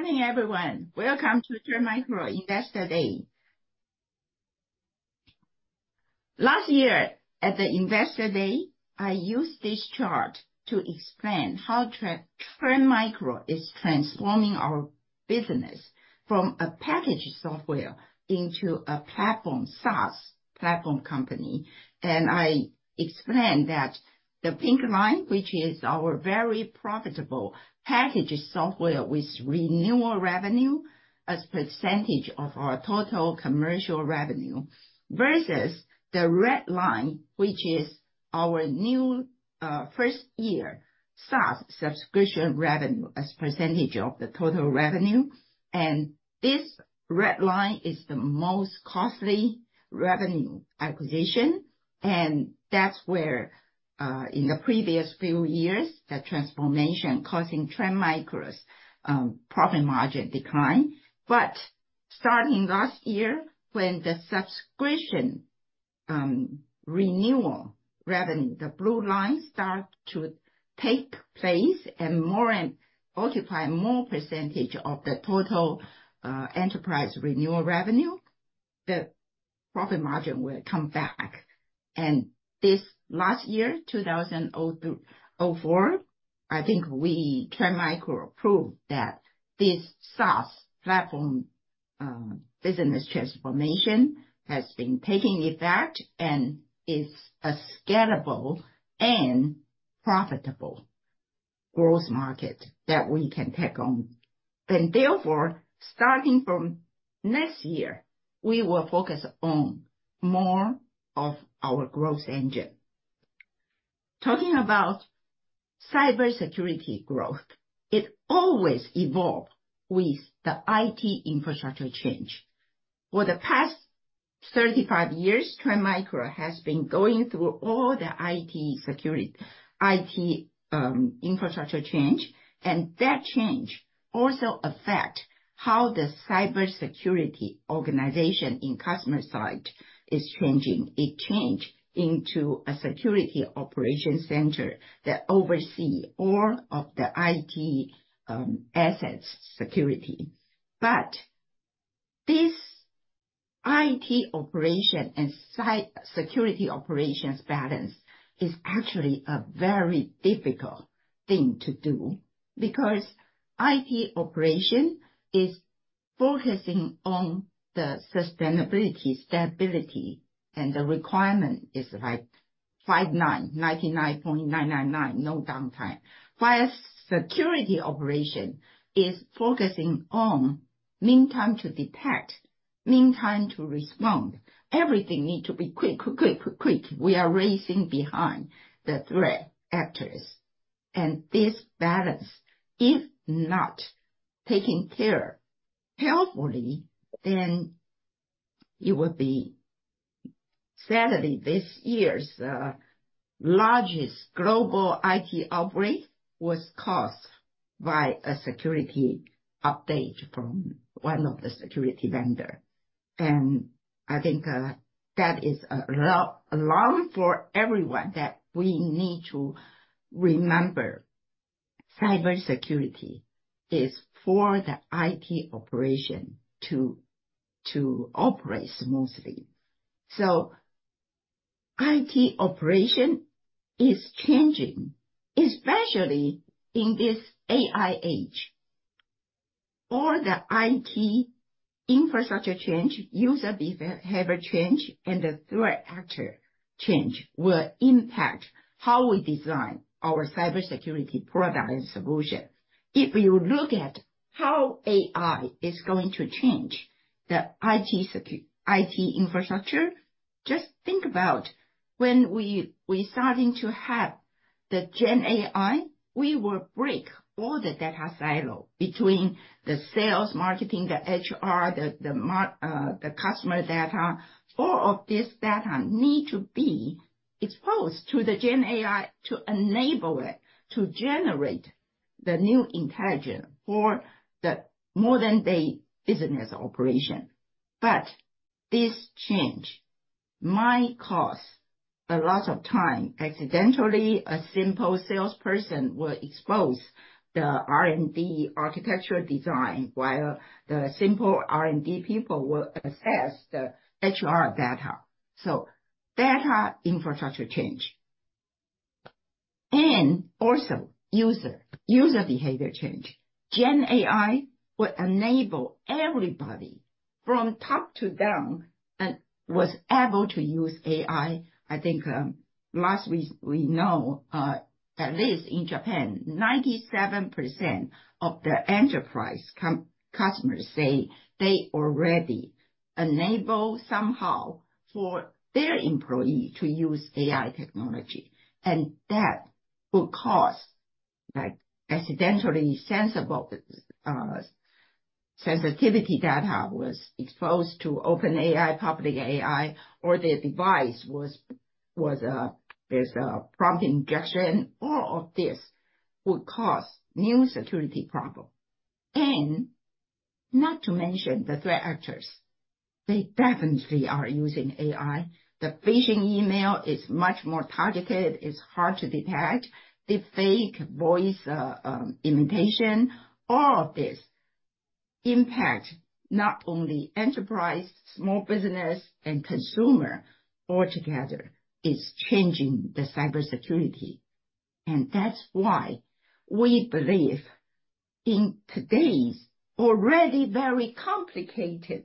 Morning, everyone. Welcome to Trend Micro Investor Day. Last year, at the Investor Day, I used this chart to explain how Trend Micro is transforming our business from a packaged software into a platform SaaS platform company. And I explained that the pink line, which is our very profitable packaged software with renewal revenue as a % of our total commercial revenue, versus the red line, which is our new first-year SaaS subscription revenue as a % of the total revenue. And that's where, in the previous few years, the transformation causing Trend Micro's profit margin declined. But starting last year, when the subscription renewal revenue, the blue line, started to take place and multiply more % of the total enterprise renewal revenue, the profit margin will come back. This last year, 2024, I think we Trend Micro approved that this SaaS platform business transformation has been taking effect and is a scalable and profitable growth market that we can take on. Therefore, starting from next year, we will focus on more of our growth engine. Talking about cybersecurity growth, it always evolves with the IT infrastructure change. For the past 35 years, Trend Micro has been going through all the IT infrastructure change. And that change also affects how the cybersecurity organization in customer side is changing. It changed into a security operations center that oversees all of the IT assets security. But this IT operation and security operations balance is actually a very difficult thing to do because IT operation is focusing on the sustainability, stability, and the requirement is like five nines, 99.999%, no downtime. While security operation is focusing on mean time to detect, mean time to respond. Everything needs to be quick, quick, quick, quick. We are racing behind the threat actors. And this balance, if not taken care of carefully, then it will be. Sadly, this year's largest global IT outbreak was caused by a security update from one of the security vendors. And I think that is an alarm for everyone that we need to remember cybersecurity is for the IT operation to operate smoothly. So IT operation is changing, especially in this AI age. All the IT infrastructure change, user behavior change, and the threat actor change will impact how we design our cybersecurity product and solution. If you look at how AI is going to change the IT infrastructure, just think about when we're starting to have the Gen AI, we will break all the data silo between the sales, marketing, the HR, the customer data. All of this data needs to be exposed to the Gen AI to enable it to generate the new intelligence for the modern-day business operation. But this change might cost a lot of time. Accidentally, a simple salesperson will expose the R&D architecture design while the simple R&D people will assess the HR data. So data infrastructure change. And also user behavior change. Gen AI will enable everybody from top to down and was able to use AI. I think last week we know, at least in Japan, 97% of the enterprise customers say they already enabled somehow for their employees to use AI technology. And that will cause accidentally sensitive data was exposed to OpenAI, public AI, or the device was. There's a prompt injection. All of this would cause new security problems. And not to mention the threat actors. They definitely are using AI. The phishing email is much more targeted. It's hard to detect. The fake voice imitation, all of this impacts not only enterprise, small business, and consumer altogether. It's changing the cybersecurity. And that's why we believe in today's already very complicated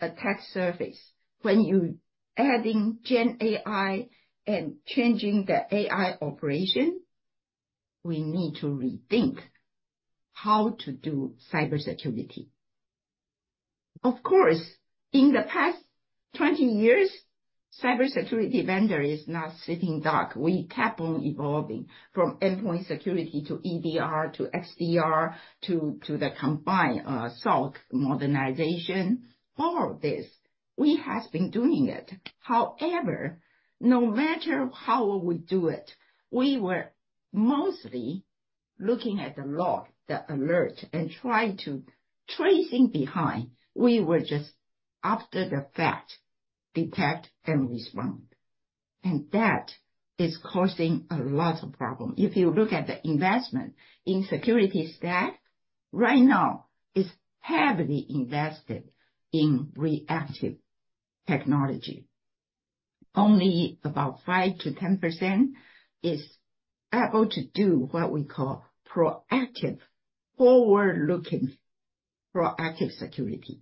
attack surface, when you're adding Gen AI and changing the AI operation, we need to rethink how to do cybersecurity. Of course, in the past 20 years, cybersecurity vendor is not sitting duck. We kept on evolving from endpoint security to EDR to XDR to the combined SOC modernization. All of this, we have been doing it. However, no matter how we do it, we were mostly looking at the log, the alert, and trying to trace it behind. We were just after the fact detect and respond. That is causing a lot of problems. If you look at the investment in security staff, right now is heavily invested in reactive technology. Only about 5%-10% is able to do what we call proactive, forward-looking proactive security.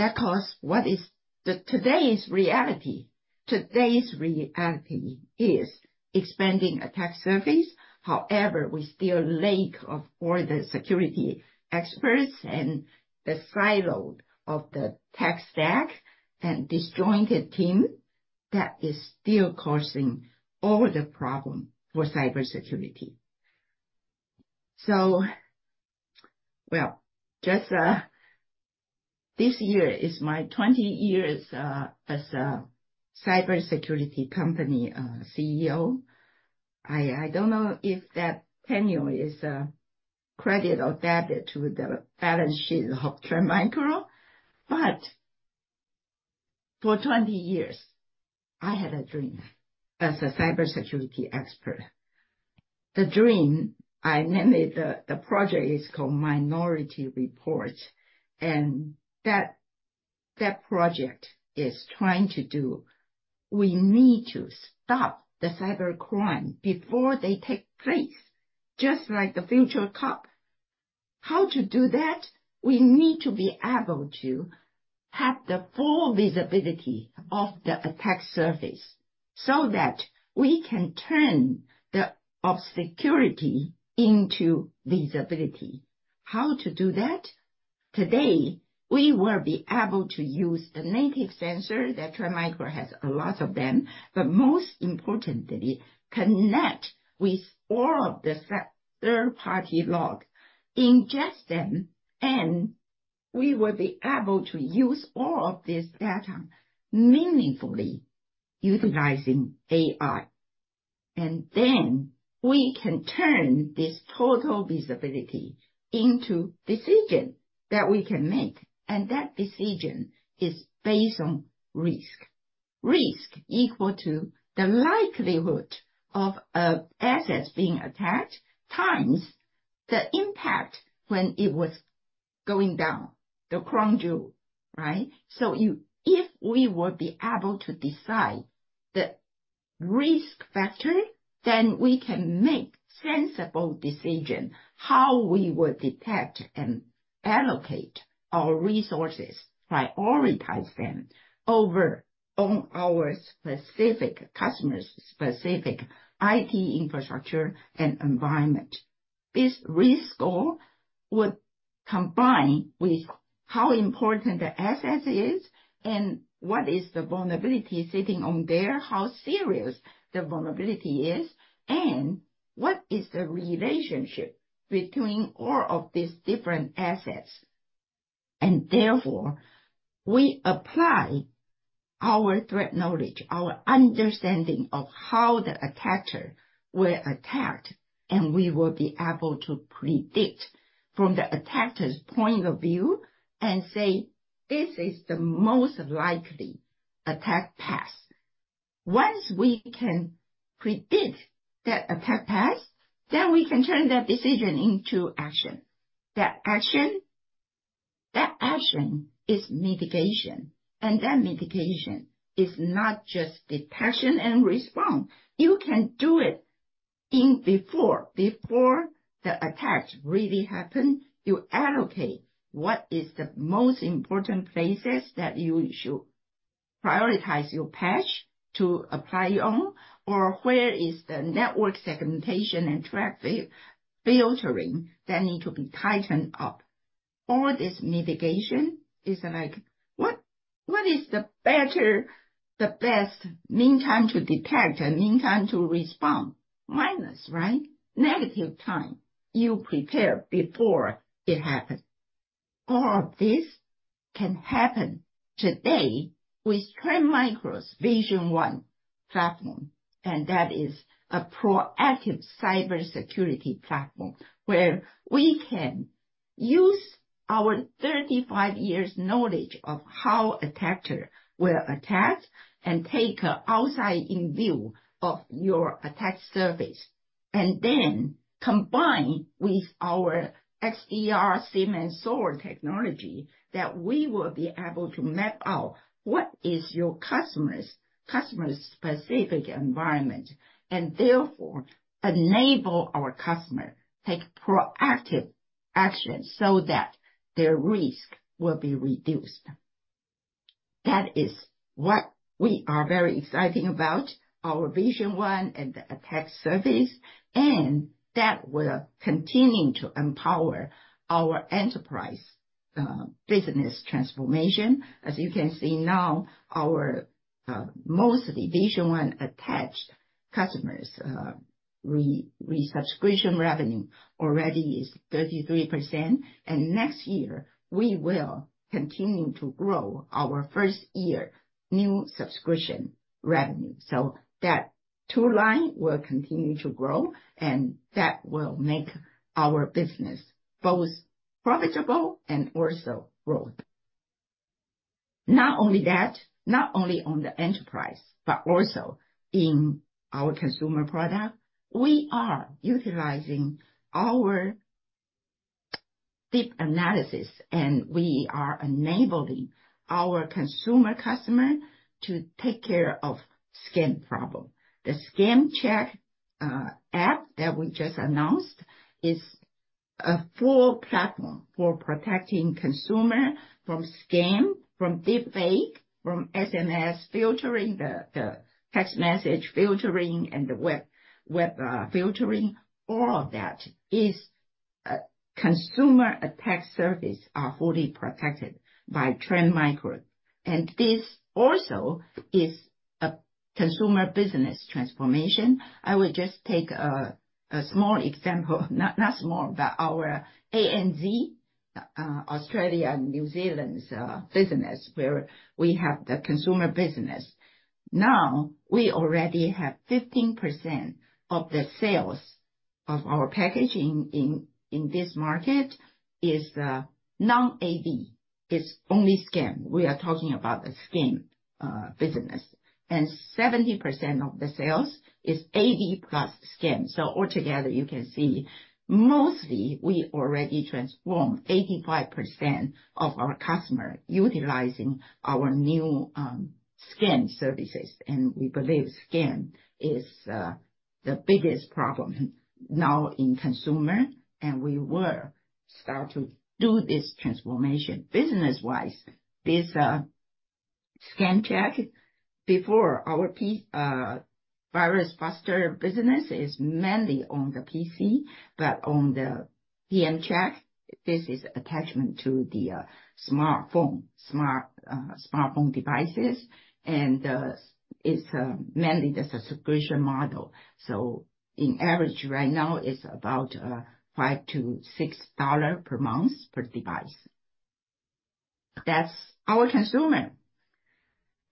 That caused what is today's reality. Today's reality is expanding attack surface. However, we still lack all the security experts and the silo of the tech stack and disjointed team that is still causing all the problems for cybersecurity. So, well, just this year is my 20 years as a cybersecurity company CEO. I don't know if that tenure is a credit or debit to the balance sheet of Trend Micro, but for 20 years, I had a dream as a cybersecurity expert. The dream, I named it the project is called Minority Report. That project is trying to do, we need to stop the cybercrime before they take place, just like the Future Cop. How to do that? We need to be able to have the full visibility of the attack surface so that we can turn the obscurity into visibility. How to do that? Today, we will be able to use the native sensor that Trend Micro has a lot of them, but most importantly, connect with all of the third-party log, ingest them, and we will be able to use all of this data meaningfully, utilizing AI. And then we can turn this total visibility into decisions that we can make. And that decision is based on risk. Risk equal to the likelihood of assets being attacked times the impact when it was going down, the crown jewel, right? So if we will be able to decide the risk factor, then we can make sensible decisions how we will detect and allocate our resources, prioritize them over our specific customers' specific IT infrastructure and environment. This risk score would combine with how important the asset is and what is the vulnerability sitting on there, how serious the vulnerability is, and what is the relationship between all of these different assets. And therefore, we apply our threat knowledge, our understanding of how the attacker will attack, and we will be able to predict from the attacker's point of view and say, "This is the most likely attack path." Once we can predict that attack path, then we can turn that decision into action. That action is mitigation. And that mitigation is not just detection and response. You can do it before the attack really happens. You allocate what is the most important places that you should prioritize your patch to apply on, or where is the network segmentation and traffic filtering that need to be tightened up. All this mitigation is like, "What is the better, the best mean time to detect and mean time to respond?" Minus, right? Negative time you prepare before it happens. All of this can happen today with Trend Micro's Vision One platform. That is a proactive cybersecurity platform where we can use our 35 years' knowledge of how attackers will attack and take an outside view of your attack surface. And then combined with our XDR, SIEM, and SOAR technology that we will be able to map out what is your customer's specific environment and therefore enable our customers to take proactive action so that their risk will be reduced. That is what we are very excited about, our Vision One and the attack surface. And that will continue to empower our enterprise business transformation. As you can see now, our mostly Vision One attached customers' resubscription revenue already is 33%. And next year, we will continue to grow our first-year new subscription revenue. So that two-line will continue to grow, and that will make our business both profitable and also growth. Not only that, not only on the enterprise, but also in our consumer product, we are utilizing our deep analysis, and we are enabling our consumer customers to take care of scam problems. The Scam Check app that we just announced is a full platform for protecting consumers from scam, from deepfake, from SMS filtering, the text message filtering, and the web filtering. All of that is consumer attack surface are fully protected by Trend Micro. And this also is a consumer business transformation. I will just take a small example, not small, but our ANZ, Australia and New Zealand's business, where we have the consumer business. Now, we already have 15% of the sales of our packaging in this market is non-AV. It's only scam. We are talking about the scam business. And 70% of the sales is AV plus scam. So altogether, you can see mostly we already transformed 85% of our customers utilizing our new scam services. And we believe scam is the biggest problem now in consumers, and we will start to do this transformation business-wise. This Scam Check before our Virus Buster business is mainly on the PC, but on the TM Check, this is attachment to the smartphone devices. And it's mainly the subscription model. So in average, right now, it's about $5-$6 per month per device. That's our consumer.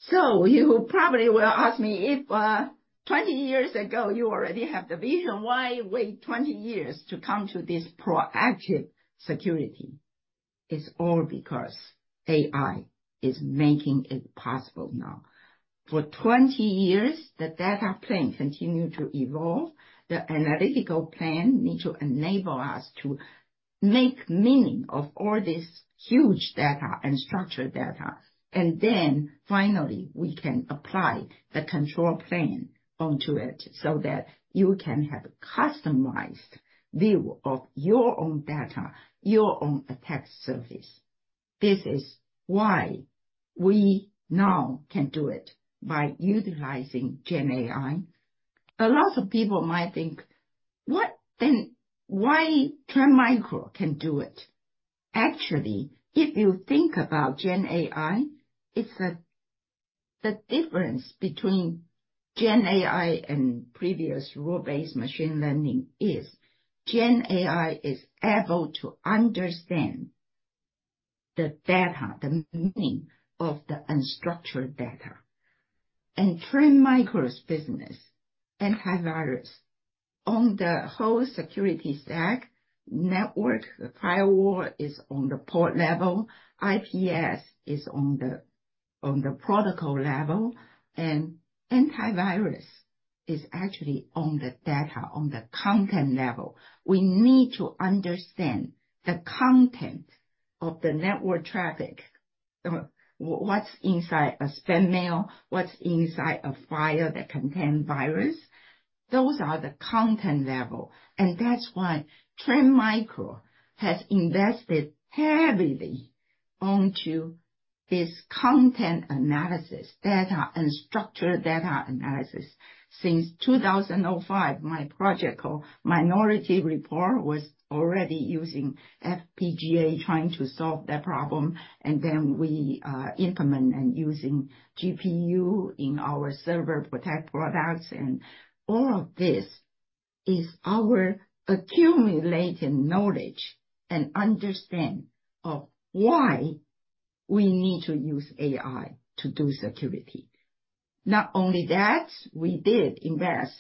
So you probably will ask me if 20 years ago, you already have the vision. Why wait 20 years to come to this proactive security? It's all because AI is making it possible now. For 20 years, the data plan continued to evolve. The analytical plan needs to enable us to make meaning of all this huge data and structured data. And then finally, we can apply the control plan onto it so that you can have a customized view of your own data, your own attack surface. This is why we now can do it by utilizing Gen AI. A lot of people might think, "What then? Why Trend Micro can do it?" Actually, if you think about Gen AI, the difference between Gen AI and previous rule-based machine learning is Gen AI is able to understand the data, the meaning of the unstructured data. And Trend Micro's business, antivirus on the whole security stack, network, the firewall is on the port level, IPS is on the protocol level, and antivirus is actually on the data, on the content level. We need to understand the content of the network traffic. What's inside a spam mail? What's inside a file that contains virus? Those are the content level. That's why Trend Micro has invested heavily onto this content analysis, data and structured data analysis. Since 2005, my project called Minority Report was already using FPGA trying to solve that problem. And then we implement and use GPU in our ServerProtect products. And all of this is our accumulated knowledge and understanding of why we need to use AI to do security. Not only that, we did invest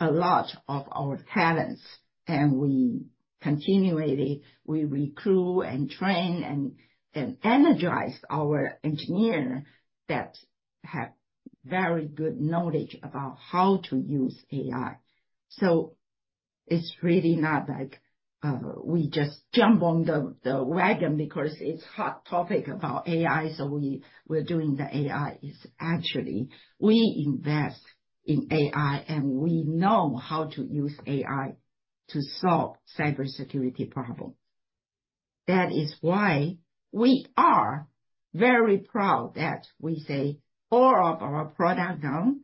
a lot of our talents, and we continually recruit and train and energize our engineers that have very good knowledge about how to use AI. So it's really not like we just jump on the wagon because it's a hot topic about AI, so we're doing the AI. It's actually we invest in AI, and we know how to use AI to solve cybersecurity problems. That is why we are very proud that we say all of our products now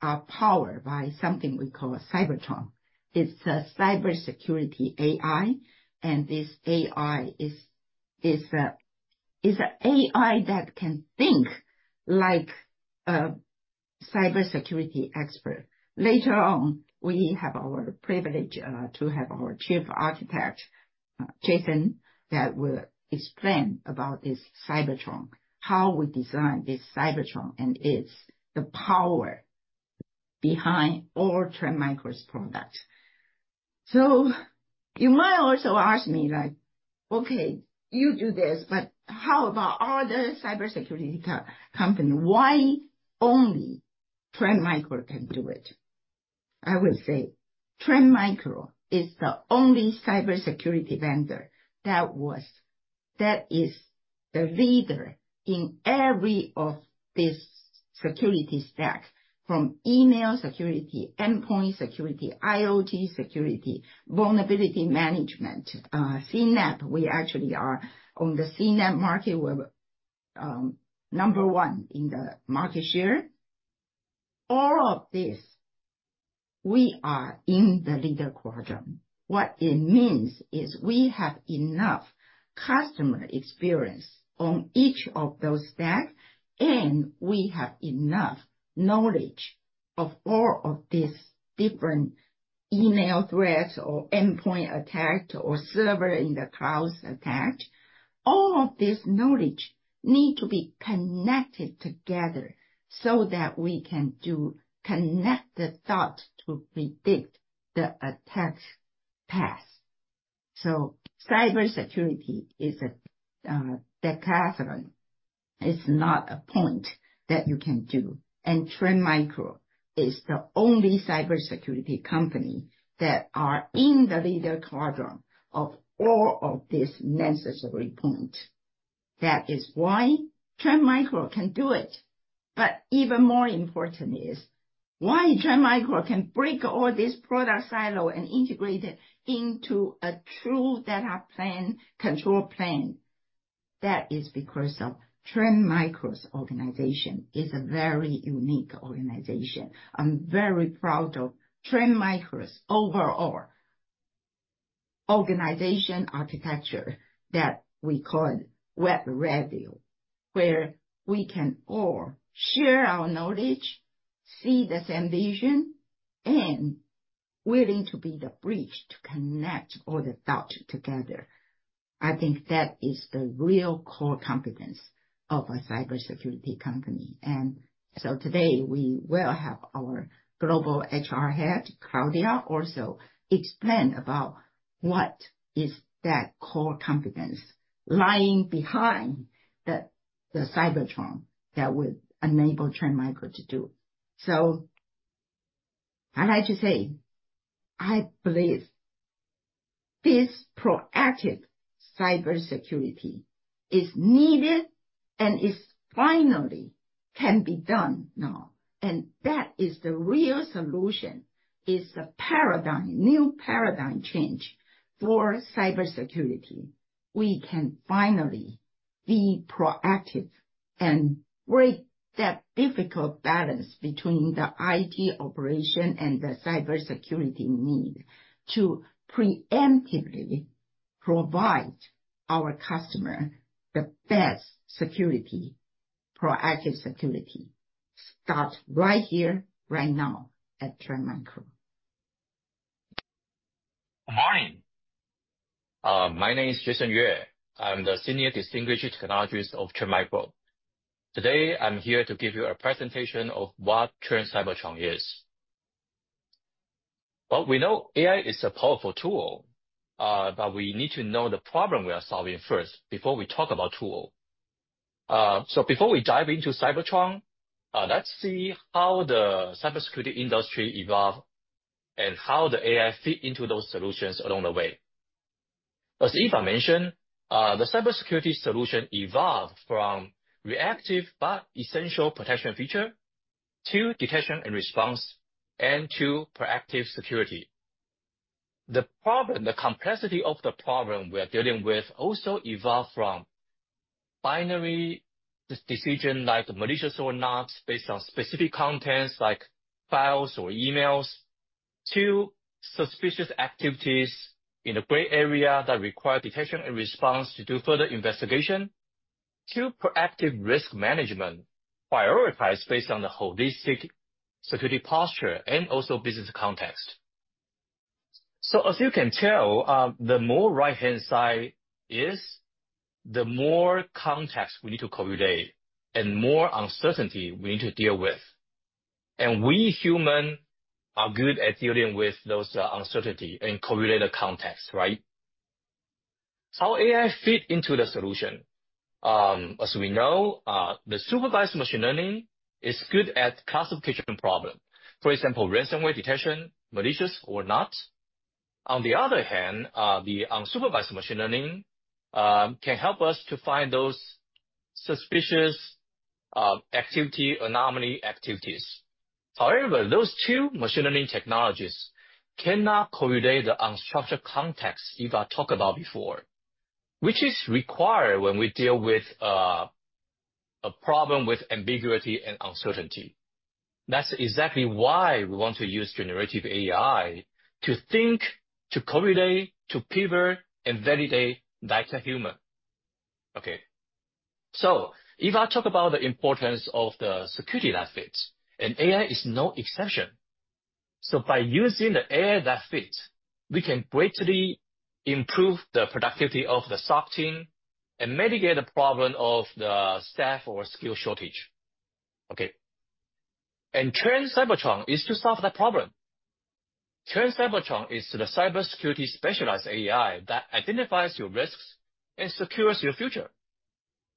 are powered by something we call Cybertron. It's a cybersecurity AI. And this AI is an AI that can think like a cybersecurity expert. Later on, we have our privilege to have our Chief Architect, Jason, that will explain about this Cybertron, how we designed this Cybertron, and it's the power behind all Trend Micro's products. So you might also ask me, like, "Okay, you do this, but how about other cybersecurity companies? Why only Trend Micro can do it?" I will say Trend Micro is the only cybersecurity vendor that is the leader in every security stack from email security, endpoint security, IoT security, vulnerability management, CNAPP. We actually are on the CNAPP market, we're number one in the market share. All of this, we are in the leader quadrant. What it means is we have enough customer experience on each of those stacks, and we have enough knowledge of all of these different email threats or endpoint attack or server in the cloud attack. All of this knowledge needs to be connected together so that we can do connected thoughts to predict the attack path. So cybersecurity is a decathlon. It's not a point that you can do. And Trend Micro is the only cybersecurity company that is in the leader quadrant of all of these necessary points. That is why Trend Micro can do it. But even more important is why Trend Micro can break all these product silos and integrate it into a true data plan, control plan. That is because Trend Micro's organization is a very unique organization. I'm very proud of Trend Micro's overall organization architecture that we call Radial Web, where we can all share our knowledge, see the same vision, and are willing to be the bridge to connect all the thoughts together. I think that is the real core competence of a cybersecurity company. And so today, we will have our global HR head, Claudia, also explain about what is that core competence lying behind the Cybertron that would enable Trend Micro to do. So I'd like to say, I believe this proactive cybersecurity is needed and finally can be done now. And that is the real solution. It's a paradigm, new paradigm change for cybersecurity. We can finally be proactive and break that difficult balance between the IT operation and the cybersecurity need to preemptively provide our customers the best security, proactive security. Start right here, right now at Trend Micro. Good morning. My name is Jason Yeo. I'm the Senior Distinguished Technologist of Trend Micro. Today, I'm here to give you a presentation of what Trend Cybertron is. We know AI is a powerful tool, but we need to know the problem we are solving first before we talk about the tool. So before we dive into Cybertron, let's see how the cybersecurity industry evolved and how the AI fits into those solutions along the way. As Eva mentioned, the cybersecurity solution evolved from reactive but essential protection feature to detection and response and to proactive security. The problem, the complexity of the problem we are dealing with also evolved from binary decisions like malicious or not based on specific contents like files or emails to suspicious activities in the gray area that require detection and response to do further investigation to proactive risk management prioritized based on the holistic security posture and also business context. So as you can tell, the more right-hand side is, the more context we need to correlate and more uncertainty we need to deal with. And we humans are good at dealing with those uncertainties and correlate the context, right? How AI fits into the solution? As we know, the supervised machine learning is good at classification problems. For example, ransomware detection, malicious or not. On the other hand, the unsupervised machine learning can help us to find those suspicious activity anomaly activities. However, those two machine learning technologies cannot correlate the unstructured context Eva talked about before, which is required when we deal with a problem with ambiguity and uncertainty. That's exactly why we want to use generative AI to think, to correlate, to pivot, and validate like a human. Okay. So Eva talked about the importance of the security that fits, and AI is no exception. So by using the AI that fits, we can greatly improve the productivity of the SOC team and mitigate the problem of the staff or skill shortage. Okay. And Trend Cybertron is to solve that problem. Trend Cybertron is the cybersecurity specialized AI that identifies your risks and secures your future.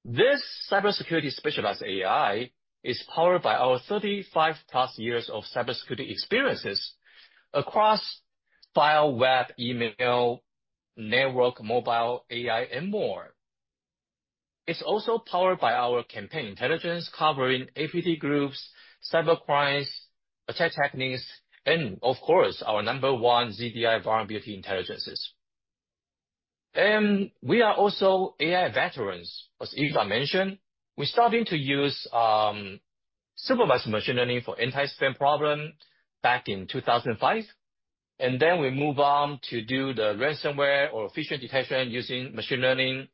This cybersecurity specialized AI is powered by our 35-plus years of cybersecurity experiences across file, web, email, network, mobile, AI, and more. It's also powered by our campaign intelligence covering APT groups, cybercrimes, attack techniques, and of course, our number one ZDI vulnerability intelligence. And we are also AI veterans. As Eva mentioned, we started to use supervised machine learning for anti-spam problems back in 2005. And then we moved on to do the ransomware or phishing detection using machine learning,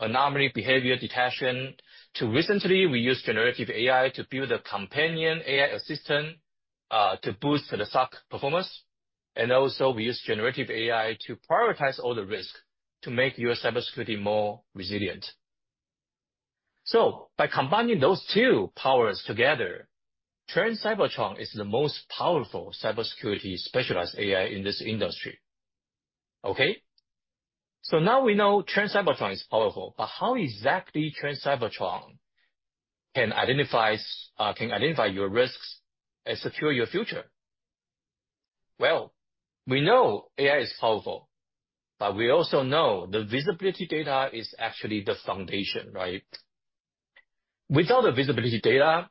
anomaly behavior detection. More recently, we used generative AI to build a companion AI assistant to boost the SOC performance. And also, we use generative AI to prioritize all the risks to make your cybersecurity more resilient. So by combining those two powers together, Trend Cybertron is the most powerful cybersecurity specialized AI in this industry. Okay. So now we know Trend Cybertron is powerful, but how exactly Trend Cybertron can identify your risks and secure your future? We know AI is powerful, but we also know the visibility data is actually the foundation, right? Without the visibility data,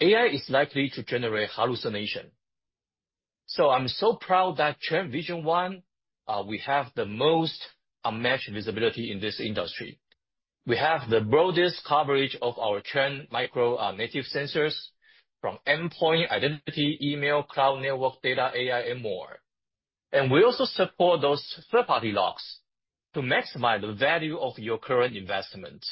AI is likely to generate hallucinations. So I'm so proud that Trend Vision One, we have the most unmatched visibility in this industry. We have the broadest coverage of our Trend Micro native sensors from endpoint, identity, email, cloud, network data, AI, and more. And we also support those third-party logs to maximize the value of your current investment.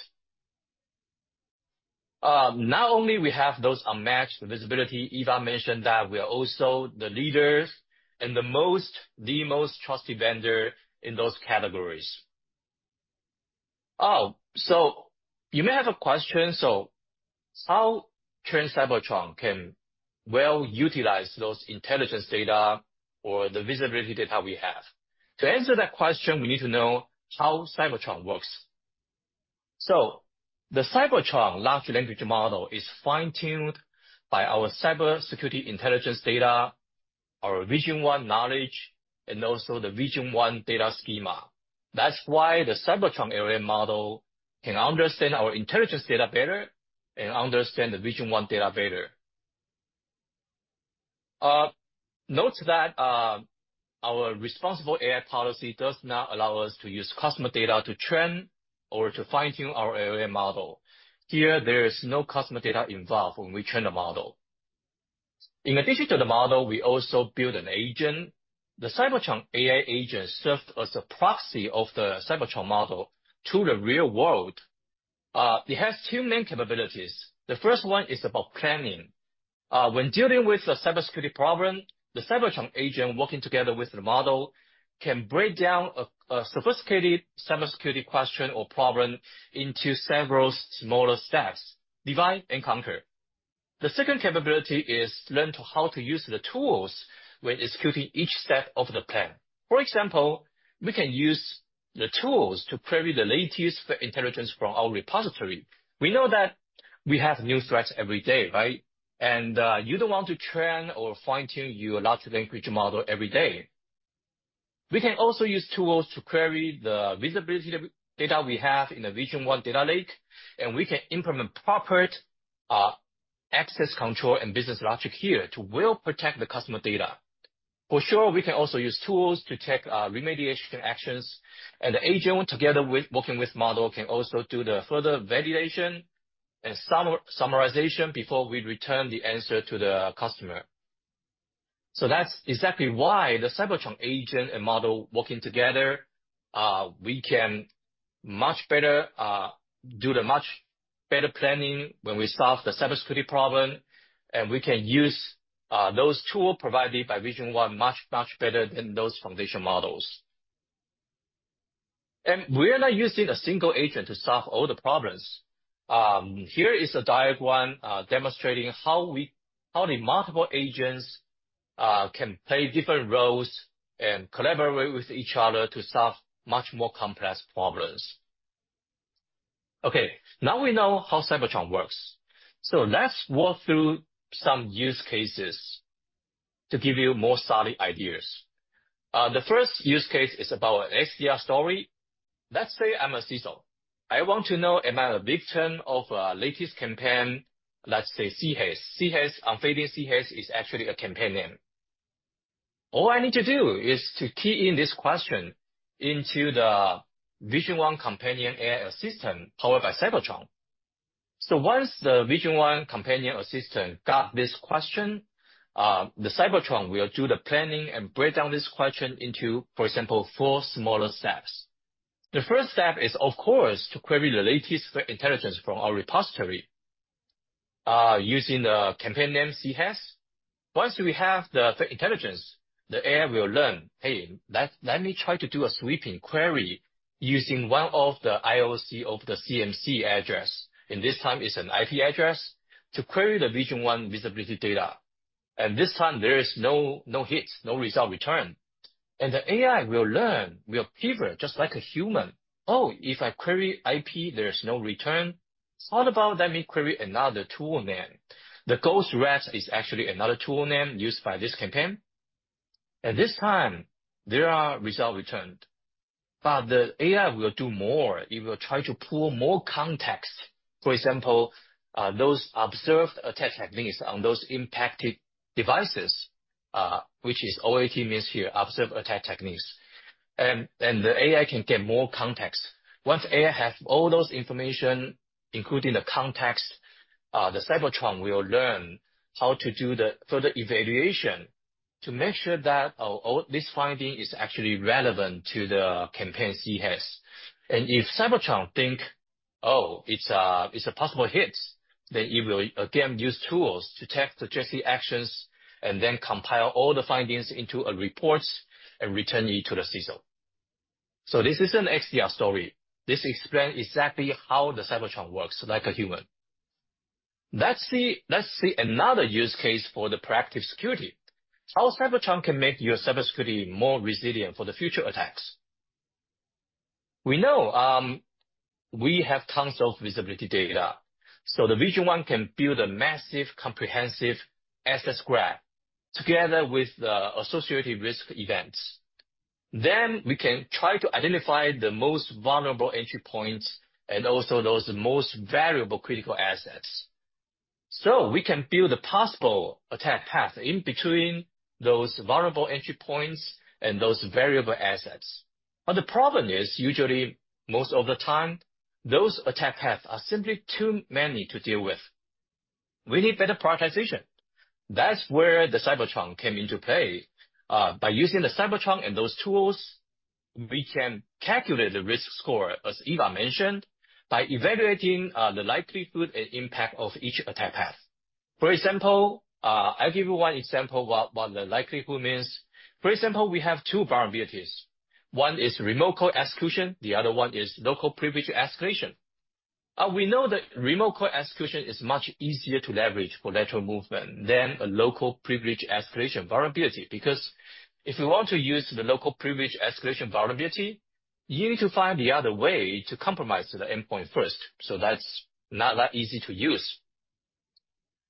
Not only do we have those unmatched visibility, Eva mentioned that we are also the leaders and the most trusted vendor in those categories. Oh, so you may have a question. So how can Trend Cybertron well utilize those intelligence data or the visibility data we have? To answer that question, we need to know how Cybertron works. The Cybertron large language model is fine-tuned by our cybersecurity intelligence data, our Vision One knowledge, and also the Vision One data schema. That's why the Cybertron LLM model can understand our intelligence data better and understand the Vision One data better. Note that our responsible AI policy does not allow us to use customer data to train or to fine-tune our LLM model. Here, there is no customer data involved when we train the model. In addition to the model, we also build an agent. The Cybertron AI agent serves as a proxy of the Cybertron model to the real world. It has two main capabilities. The first one is about planning. When dealing with a cybersecurity problem, the Cybertron agent working together with the model can break down a sophisticated cybersecurity question or problem into several smaller steps, divide and conquer. The second capability is learning how to use the tools when executing each step of the plan. For example, we can use the tools to query the latest intelligence from our repository. We know that we have new threats every day, right? And you don't want to train or fine-tune your large language model every day. We can also use tools to query the visibility data we have in the Vision One data lake, and we can implement proper access control and business logic here to well protect the customer data. For sure, we can also use tools to take remediation actions, and the agent, together with the model working, can also do the further validation and summarization before we return the answer to the customer. So that's exactly why the Cybertron agent and model working together, we can much better do the much better planning when we solve the cybersecurity problem, and we can use those tools provided by Vision One much, much better than those foundation models. And we are not using a single agent to solve all the problems. Here is a diagram demonstrating how the multiple agents can play different roles and collaborate with each other to solve much more complex problems. Okay. Now we know how Cybertron works. So let's walk through some use cases to give you more solid ideas. The first use case is about an SDR story. Let's say I'm a CISO. I want to know, am I a victim of a latest campaign? Let's say Sea Haze. Sea Haze, Unfading Sea Haze, is actually a campaign name. All I need to do is to key in this question into the Vision One companion AI assistant powered by Cybertron. So once the Vision One companion assistant got this question, the Cybertron will do the planning and break down this question into, for example, four smaller steps. The first step is, of course, to query the latest threat intelligence from our repository using the campaign name CHASE. Once we have the threat intelligence, the AI will learn, "Hey, let me try to do a sweeping query using one of the IOC of the C2 address." And this time it's an IP address to query the Vision One visibility data. And this time, there is no hit, no result return. And the AI will learn, will pivot just like a human. "Oh, if I query IP, there is no return. How about let me query another tool name?" The Gh0st RAT is actually another tool name used by this campaign. And this time, there are results returned. But the AI will do more. It will try to pull more context. For example, those observed attack techniques on those impacted devices, which is OAT means here, observed attack techniques. And the AI can get more context. Once the AI has all those information, including the context, the Cybertron will learn how to do the further evaluation to make sure that this finding is actually relevant to the campaign CHASE. And if Cybertron thinks, "Oh, it's a possible hit," then it will again use tools to take the necessary actions and then compile all the findings into a report and return it to the CISO. So this is an XDR story. This explains exactly how the Cybertron works like a human. Let's see another use case for the proactive security. How Cybertron can make your cybersecurity more resilient for the future attacks. We know we have tons of visibility data. So the Vision One can build a massive comprehensive asset graph together with the associated risk events. Then we can try to identify the most vulnerable entry points and also those most valuable critical assets. So we can build a possible attack path in between those vulnerable entry points and those valuable assets. But the problem is, usually, most of the time, those attack paths are simply too many to deal with. We need better prioritization. That's where the Cybertron came into play. By using the Cybertron and those tools, we can calculate the risk score, as Eva mentioned, by evaluating the likelihood and impact of each attack path. For example, I'll give you one example of what the likelihood means. For example, we have two vulnerabilities. One is remote code execution. The other one is local privilege escalation. We know that remote code execution is much easier to leverage for lateral movement than a local privilege escalation vulnerability because if you want to use the local privilege escalation vulnerability, you need to find the other way to compromise the endpoint first. So that's not that easy to use.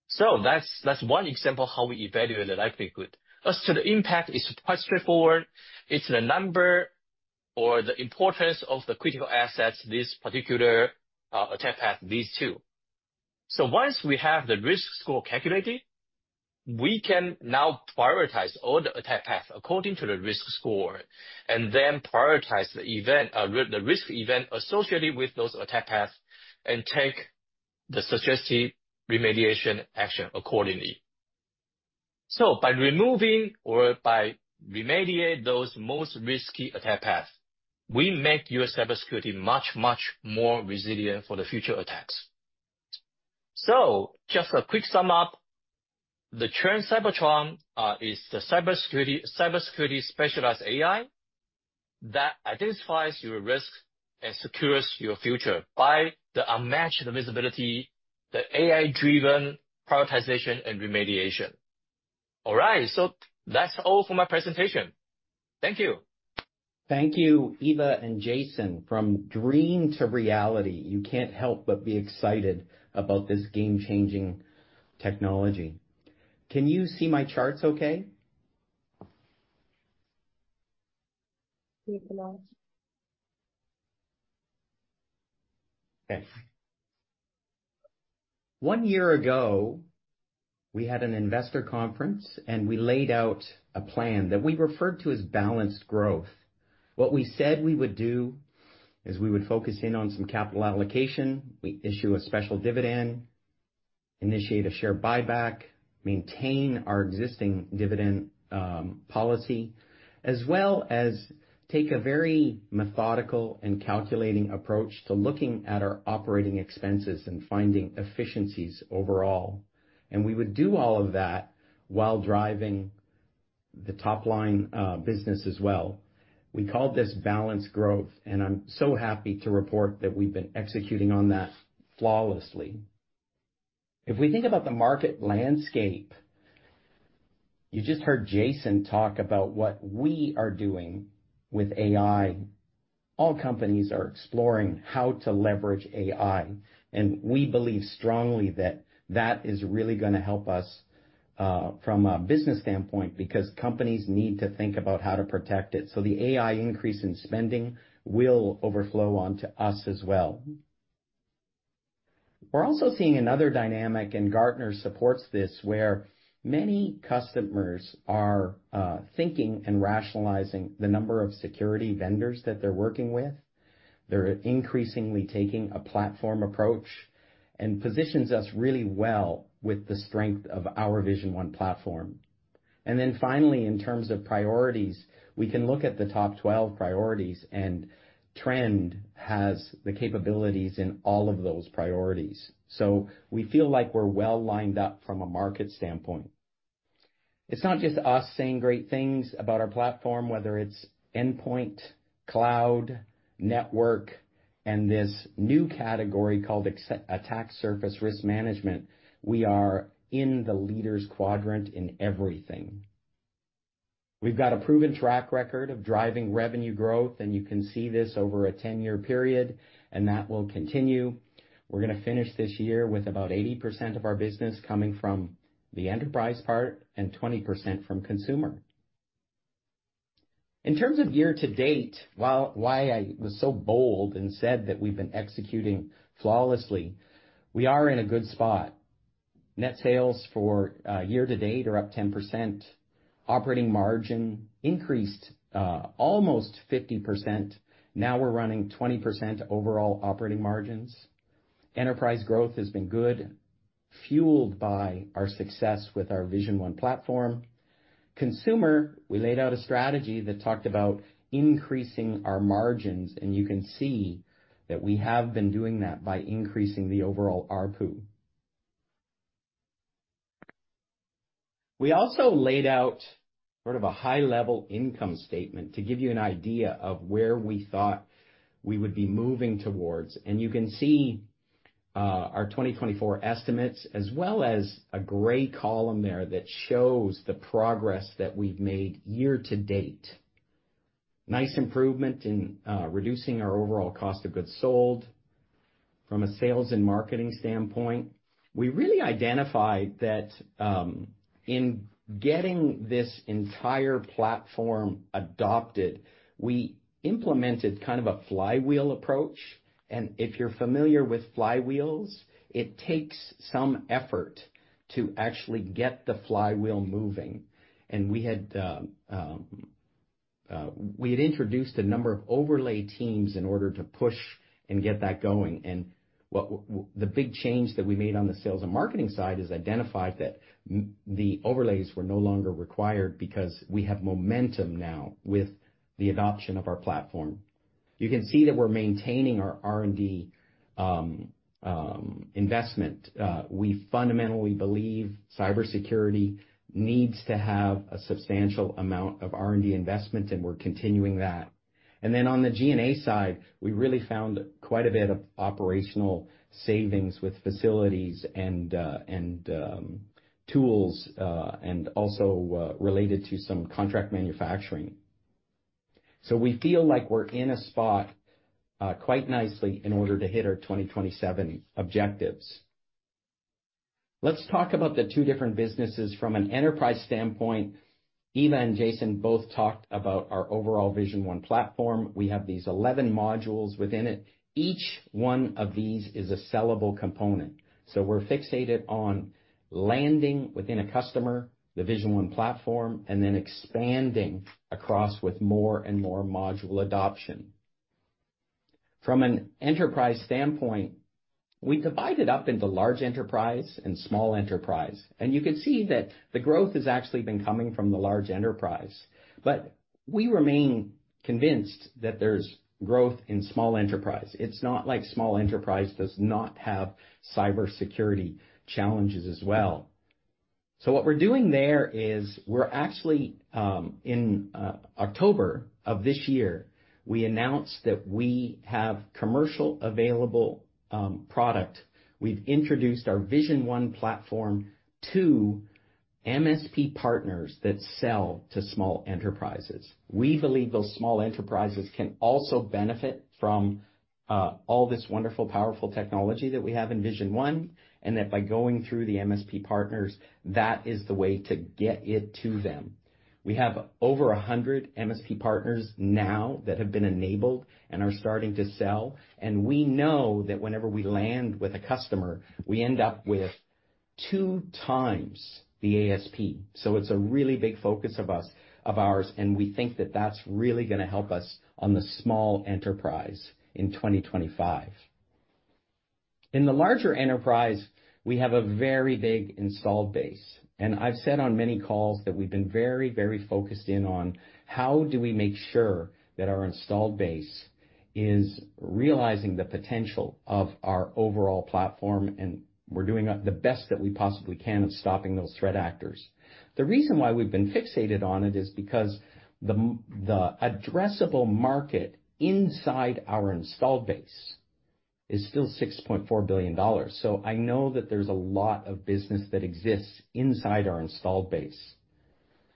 So that's one example of how we evaluate the likelihood. As to the impact, it's quite straightforward. It's the number or the importance of the critical assets, this particular attack path, these two. So once we have the risk score calculated, we can now prioritize all the attack paths according to the risk score and then prioritize the risk event associated with those attack paths and take the suggested remediation action accordingly. So by removing or by remediating those most risky attack paths, we make your cybersecurity much, much more resilient for the future attacks. So just a quick sum up, the Trend Cybertron is the cybersecurity specialized AI that identifies your risk and secures your future by the unmatched visibility, the AI-driven prioritization, and remediation. All right. So that's all for my presentation. Thank you. Thank you, Eva and Jason. From dream to reality, you can't help but be excited about this game-changing technology. Can you see my charts okay? Okay. One year ago, we had an investor conference, and we laid out a plan that we referred to as balanced growth. What we said we would do is we would focus in on some capital allocation, we issue a special dividend, initiate a share buyback, maintain our existing dividend policy, as well as take a very methodical and calculating approach to looking at our operating expenses and finding efficiencies overall, and we would do all of that while driving the top-line business as well. We called this balanced growth, and I'm so happy to report that we've been executing on that flawlessly. If we think about the market landscape, you just heard Jason talk about what we are doing with AI. All companies are exploring how to leverage AI, and we believe strongly that that is really going to help us from a business standpoint because companies need to think about how to protect it, so the AI increase in spending will overflow onto us as well. We're also seeing another dynamic, and Gartner supports this, where many customers are thinking and rationalizing the number of security vendors that they're working with. They're increasingly taking a platform approach and positions us really well with the strength of our Vision One platform. And then finally, in terms of priorities, we can look at the top 12 priorities, and Trend has the capabilities in all of those priorities. So we feel like we're well lined up from a market standpoint. It's not just us saying great things about our platform, whether it's endpoint, cloud, network, and this new category called attack surface risk management. We are in the leaders' quadrant in everything. We've got a proven track record of driving revenue growth, and you can see this over a 10-year period, and that will continue. We're going to finish this year with about 80% of our business coming from the enterprise part and 20% from consumer. In terms of year-to-date, why I was so bold and said that we've been executing flawlessly, we are in a good spot. Net sales for year-to-date are up 10%. Operating margin increased almost 50%. Now we're running 20% overall operating margins. Enterprise growth has been good, fueled by our success with our Vision One platform. Consumer, we laid out a strategy that talked about increasing our margins, and you can see that we have been doing that by increasing the overall RPU. We also laid out sort of a high-level income statement to give you an idea of where we thought we would be moving toward, and you can see our 2024 estimates, as well as a gray column there that shows the progress that we've made year-to-date. Nice improvement in reducing our overall cost of goods sold from a sales and marketing standpoint. We really identified that in getting this entire platform adopted, we implemented kind of a flywheel approach, and if you're familiar with flywheels, it takes some effort to actually get the flywheel moving, and we had introduced a number of overlay teams in order to push and get that going, and the big change that we made on the sales and marketing side is identified that the overlays were no longer required because we have momentum now with the adoption of our platform. You can see that we're maintaining our R&D investment. We fundamentally believe cybersecurity needs to have a substantial amount of R&D investment, and we're continuing that. And then on the G&A side, we really found quite a bit of operational savings with facilities and tools and also related to some contract manufacturing. So we feel like we're in a spot quite nicely in order to hit our 2027 objectives. Let's talk about the two different businesses. From an enterprise standpoint, Eva and Jason both talked about our overall Vision One platform. We have these 11 modules within it. Each one of these is a sellable component. So we're fixated on landing within a customer, the Vision One platform, and then expanding across with more and more module adoption. From an enterprise standpoint, we divide it up into large enterprise and small enterprise. And you can see that the growth has actually been coming from the large enterprise. But we remain convinced that there's growth in small enterprise. It's not like small enterprise does not have cybersecurity challenges as well. So what we're doing there is we're actually in October of this year, we announced that we have commercially available product. We've introduced our Vision One platform to MSP partners that sell to small enterprises. We believe those small enterprises can also benefit from all this wonderful, powerful technology that we have in Vision One and that by going through the MSP partners, that is the way to get it to them. We have over 100 MSP partners now that have been enabled and are starting to sell. And we know that whenever we land with a customer, we end up with two times the ASP. So it's a really big focus of ours, and we think that that's really going to help us on the small enterprise in 2025. In the larger enterprise, we have a very big installed base. And I've said on many calls that we've been very, very focused in on how do we make sure that our installed base is realizing the potential of our overall platform, and we're doing the best that we possibly can of stopping those threat actors. The reason why we've been fixated on it is because the addressable market inside our installed base is still $6.4 billion. So I know that there's a lot of business that exists inside our installed base.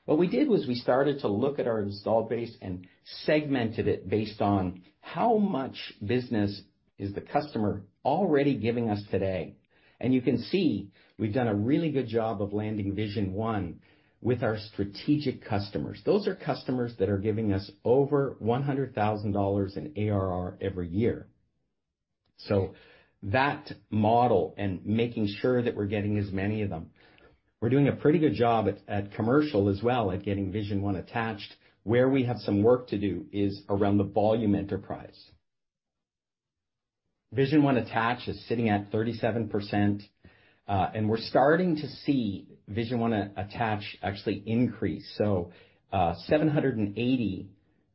What we did was we started to look at our installed base and segmented it based on how much business is the customer already giving us today. And you can see we've done a really good job of landing Vision One with our strategic customers. Those are customers that are giving us over $100,000 in ARR every year. So that model and making sure that we're getting as many of them. We're doing a pretty good job at commercial as well at getting Vision One attached. Where we have some work to do is around the volume enterprise. Vision One attached is sitting at 37%, and we're starting to see Vision One attach actually increase. So 780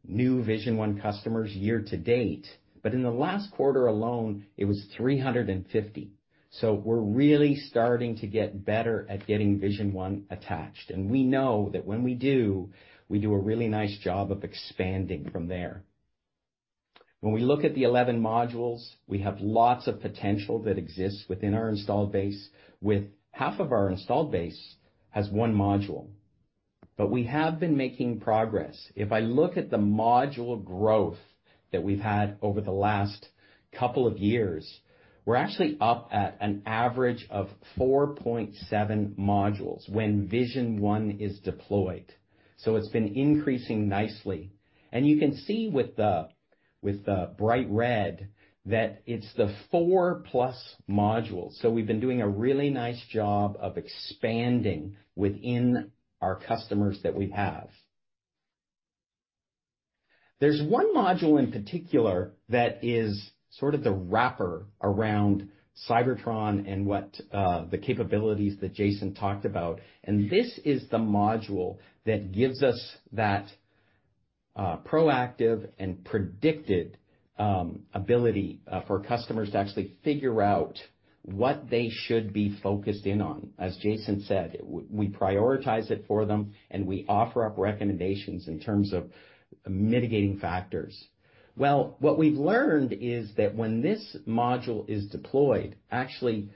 new Vision One customers year-to-date, but in the last quarter alone, it was 350. So we're really starting to get better at getting Vision One attached. And we know that when we do, we do a really nice job of expanding from there. When we look at the 11 modules, we have lots of potential that exists within our installed base, with half of our installed base as one module. But we have been making progress. If I look at the module growth that we've had over the last couple of years, we're actually up at an average of 4.7 modules when Vision One is deployed. So it's been increasing nicely. And you can see with the bright red that it's the four-plus modules. So we've been doing a really nice job of expanding within our customers that we have. There's one module in particular that is sort of the wrapper around Cybertron and what the capabilities that Jason talked about. And this is the module that gives us that proactive and predictive ability for customers to actually figure out what they should be focused in on. As Jason said, we prioritize it for them, and we offer up recommendations in terms of mitigating factors. What we've learned is that when this module is deployed, actually,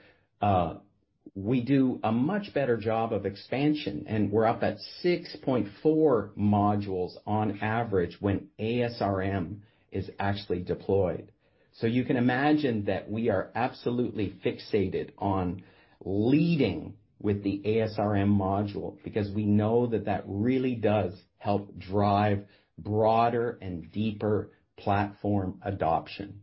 we do a much better job of expansion, and we're up at 6.4 modules on average when ASRM is actually deployed. You can imagine that we are absolutely fixated on leading with the ASRM module because we know that that really does help drive broader and deeper platform adoption.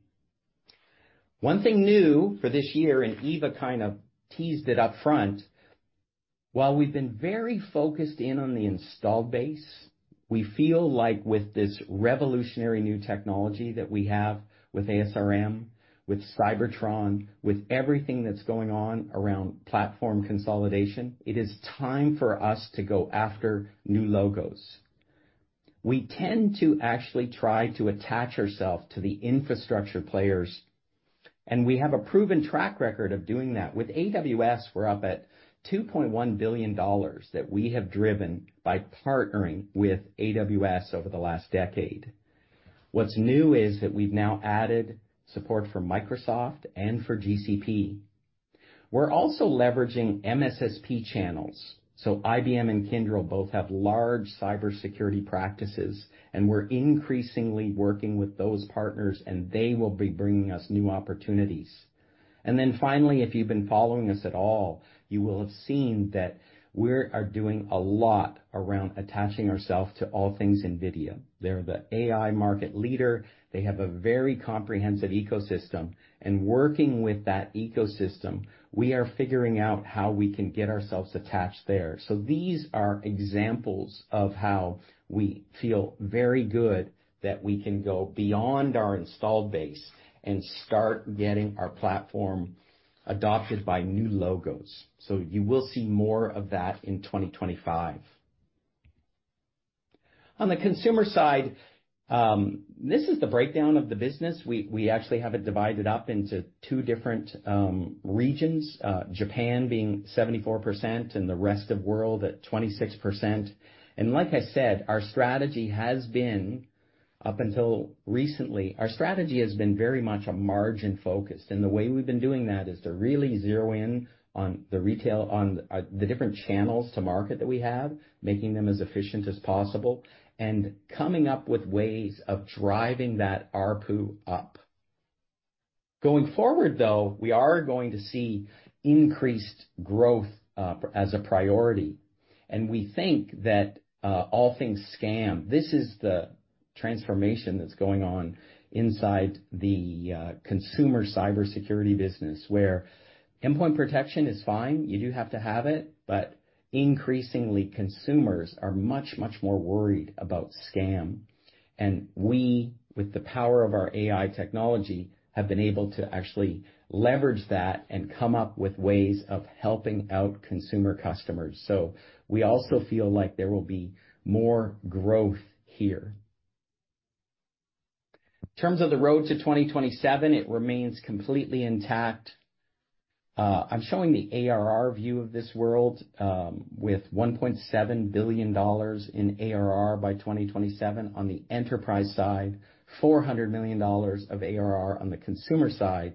One thing new for this year, and Eva kind of teased it upfront, while we've been very focused in on the installed base, we feel like with this revolutionary new technology that we have with ASRM, with Cybertron, with everything that's going on around platform consolidation, it is time for us to go after new logos. We tend to actually try to attach ourselves to the infrastructure players, and we have a proven track record of doing that. With AWS, we're up at $2.1 billion that we have driven by partnering with AWS over the last decade. What's new is that we've now added support for Microsoft and for GCP. We're also leveraging MSSP channels. So IBM and Kyndryl both have large cybersecurity practices, and we're increasingly working with those partners, and they will be bringing us new opportunities. And then finally, if you've been following us at all, you will have seen that we are doing a lot around attaching ourselves to all things NVIDIA. They're the AI market leader. They have a very comprehensive ecosystem. And working with that ecosystem, we are figuring out how we can get ourselves attached there. So these are examples of how we feel very good that we can go beyond our installed base and start getting our platform adopted by new logos. So you will see more of that in 2025. On the consumer side, this is the breakdown of the business. We actually have it divided up into two different regions, Japan being 74% and the rest of the world at 26%. And like I said, our strategy has been up until recently, our strategy has been very much margin-focused. And the way we've been doing that is to really zero in on the different channels to market that we have, making them as efficient as possible, and coming up with ways of driving that RPU up. Going forward, though, we are going to see increased growth as a priority. And we think that all things scam, this is the transformation that's going on inside the consumer cybersecurity business, where endpoint protection is fine. You do have to have it, but increasingly, consumers are much, much more worried about scam. We, with the power of our AI technology, have been able to actually leverage that and come up with ways of helping out consumer customers. We also feel like there will be more growth here. In terms of the road to 2027, it remains completely intact. I'm showing the ARR view of this world with $1.7 billion in ARR by 2027 on the enterprise side, $400 million of ARR on the consumer side.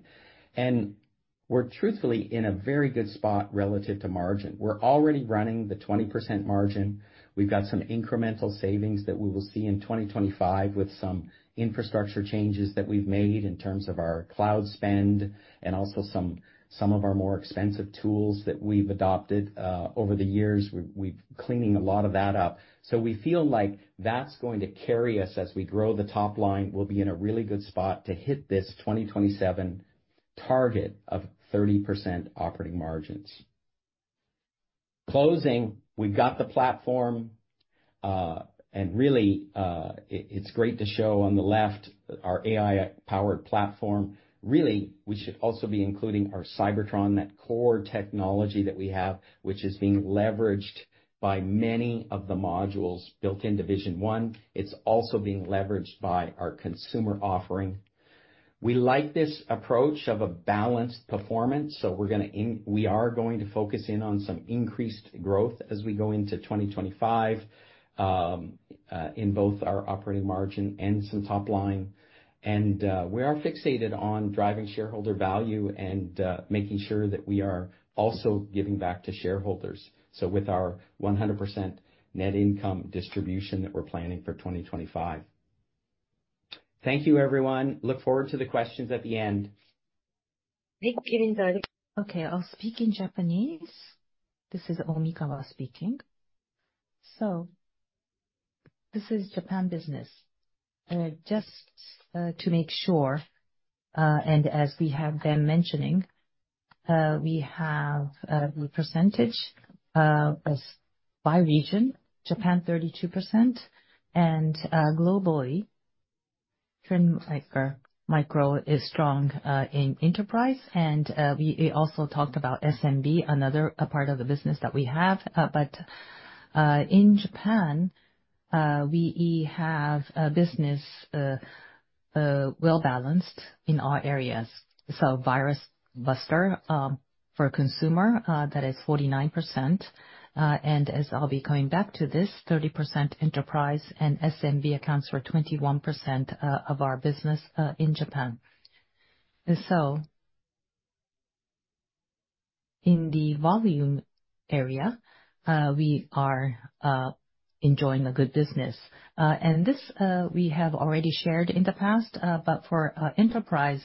We're truthfully in a very good spot relative to margin. We're already running the 20% margin. We've got some incremental savings that we will see in 2025 with some infrastructure changes that we've made in terms of our cloud spend and also some of our more expensive tools that we've adopted over the years. We're cleaning a lot of that up. So we feel like that's going to carry us as we grow the top line. We'll be in a really good spot to hit this 2027 target of 30% operating margins. Closing, we've got the platform, and really, it's great to show on the left our AI-powered platform. Really, we should also be including our Cybertron, that core technology that we have, which is being leveraged by many of the modules built into Vision One. It's also being leveraged by our consumer offering. We like this approach of a balanced performance. So we're going to focus in on some increased growth as we go into 2025 in both our operating margin and some top line. And we are fixated on driving shareholder value and making sure that we are also giving back to shareholders. So with our 100% net income distribution that we're planning for 2025. Thank you, everyone. Look forward to the questions at the end. Thank you, Kevin. Okay. I'll speak in Japanese. This is Omikawa speaking. So this is Japan business. Just to make sure, and as we have been mentioning, we have the percentage by region, Japan 32%. Globally, Trend Micro is strong in enterprise. We also talked about SMB, another part of the business that we have, but in Japan, we have a business well-balanced in all areas. Virus Buster for consumer, that is 49%. As I'll be coming back to this, 30% enterprise and SMB accounts for 21% of our business in Japan. In the volume area, we are enjoying a good business. This we have already shared in the past, but for enterprise,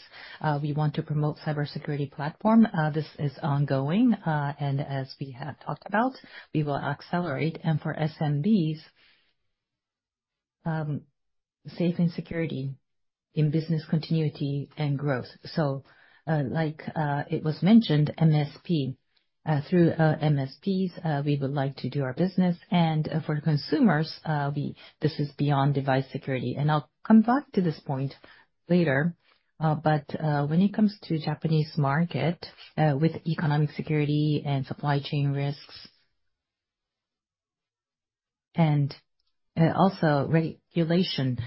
we want to promote cybersecurity platform. This is ongoing. As we have talked about, we will accelerate. For SMBs, safety and security in business continuity and growth. Like it was mentioned, MSP. Through MSPs, we would like to do our business. For consumers, this is beyond device security. I'll come back to this point later. When it comes to Japanese market with economic security and supply chain risks, and also regulation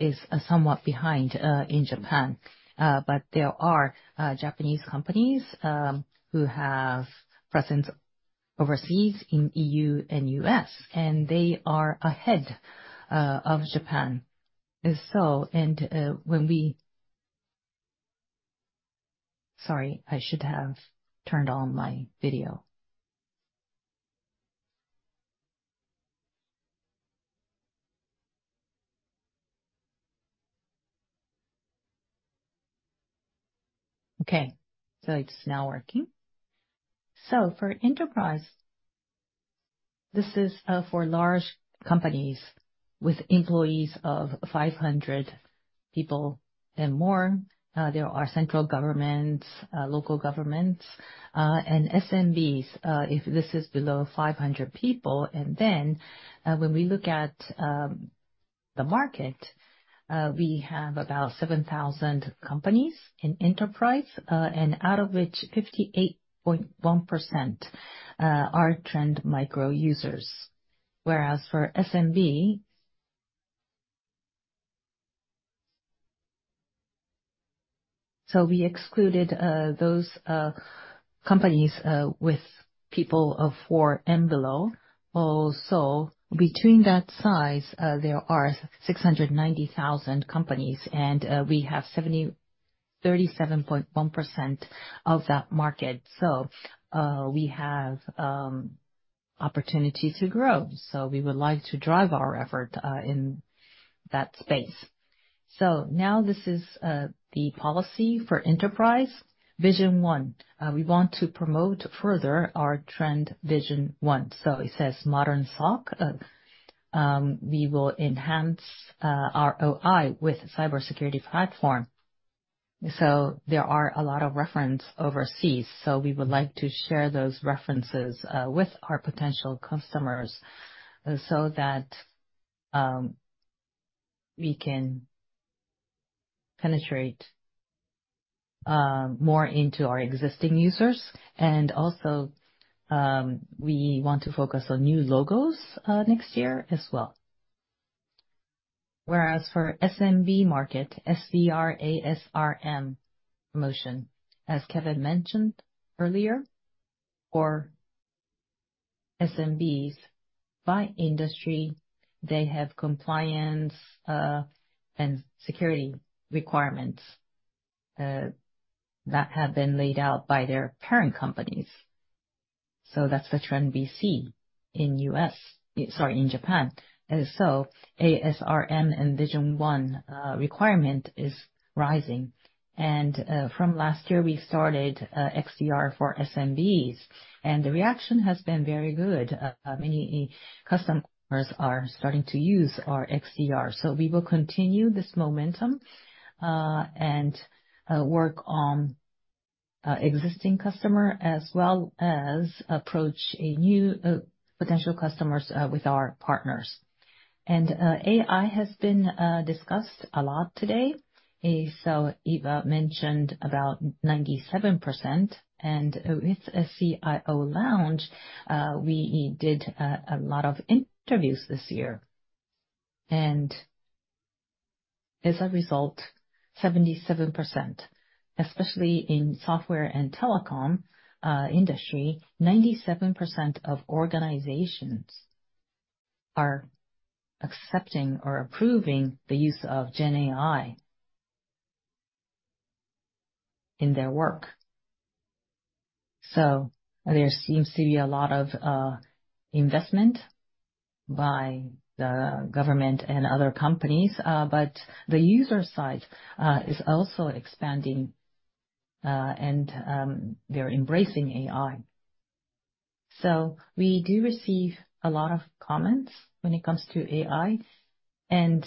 is somewhat behind in Japan. There are Japanese companies who have presence overseas in the EU and US, and they are ahead of Japan. Sorry, I should have turned on my video. Okay. It's now working. For enterprise, this is for large companies with employees of 500 people and more. There are central governments, local governments, and SMBs if this is below 500 people. Then when we look at the market, we have about 7,000 companies in enterprise, and out of which 58.1% are Trend Micro users. Whereas for SMB, we excluded those companies with people of four and below. Also, between that size, there are 690,000 companies, and we have 37.1% of that market. We have opportunity to grow. We would like to drive our effort in that space. Now this is the policy for enterprise. Vision One, we want to promote further our Trend Vision One. It says modern SOC. We will enhance our OI with cybersecurity platform. There are a lot of references overseas. We would like to share those references with our potential customers so that we can penetrate more into our existing users. We also want to focus on new logos next year as well. Whereas for SMB market, Server ASRM promotion, as Kevin mentioned earlier, for SMBs by industry, they have compliance and security requirements that have been laid out by their parent companies, so that's the trend we see in the US, sorry, in Japan. ASRM and Vision One requirement is rising. From last year, we started XDR for SMBs, and the reaction has been very good. Many customers are starting to use our XDR. We will continue this momentum and work on existing customers as well as approach new potential customers with our partners. AI has been discussed a lot today. Eva mentioned about 97%. With CIO Lounge, we did a lot of interviews this year. As a result, 77%, especially in the software and telecom industry, 97% of organizations are accepting or approving the use of GenAI in their work. So there seems to be a lot of investment by the government and other companies, but the user side is also expanding, and they're embracing AI. So we do receive a lot of comments when it comes to AI, and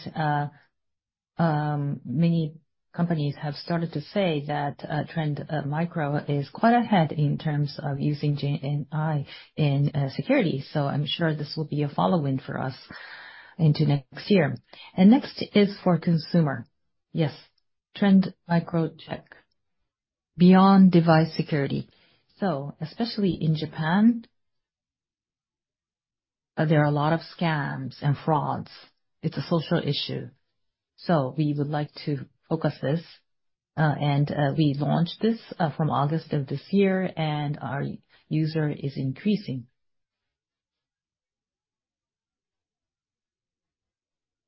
many companies have started to say that Trend Micro is quite ahead in terms of using GenAI in security. So I'm sure this will be a follow-on for us into next year. And next is for consumer. Yes, Trend Micro Check, beyond device security. So especially in Japan, there are a lot of scams and frauds. It's a social issue. So we would like to focus this. And we launched this from August of this year, and our user is increasing.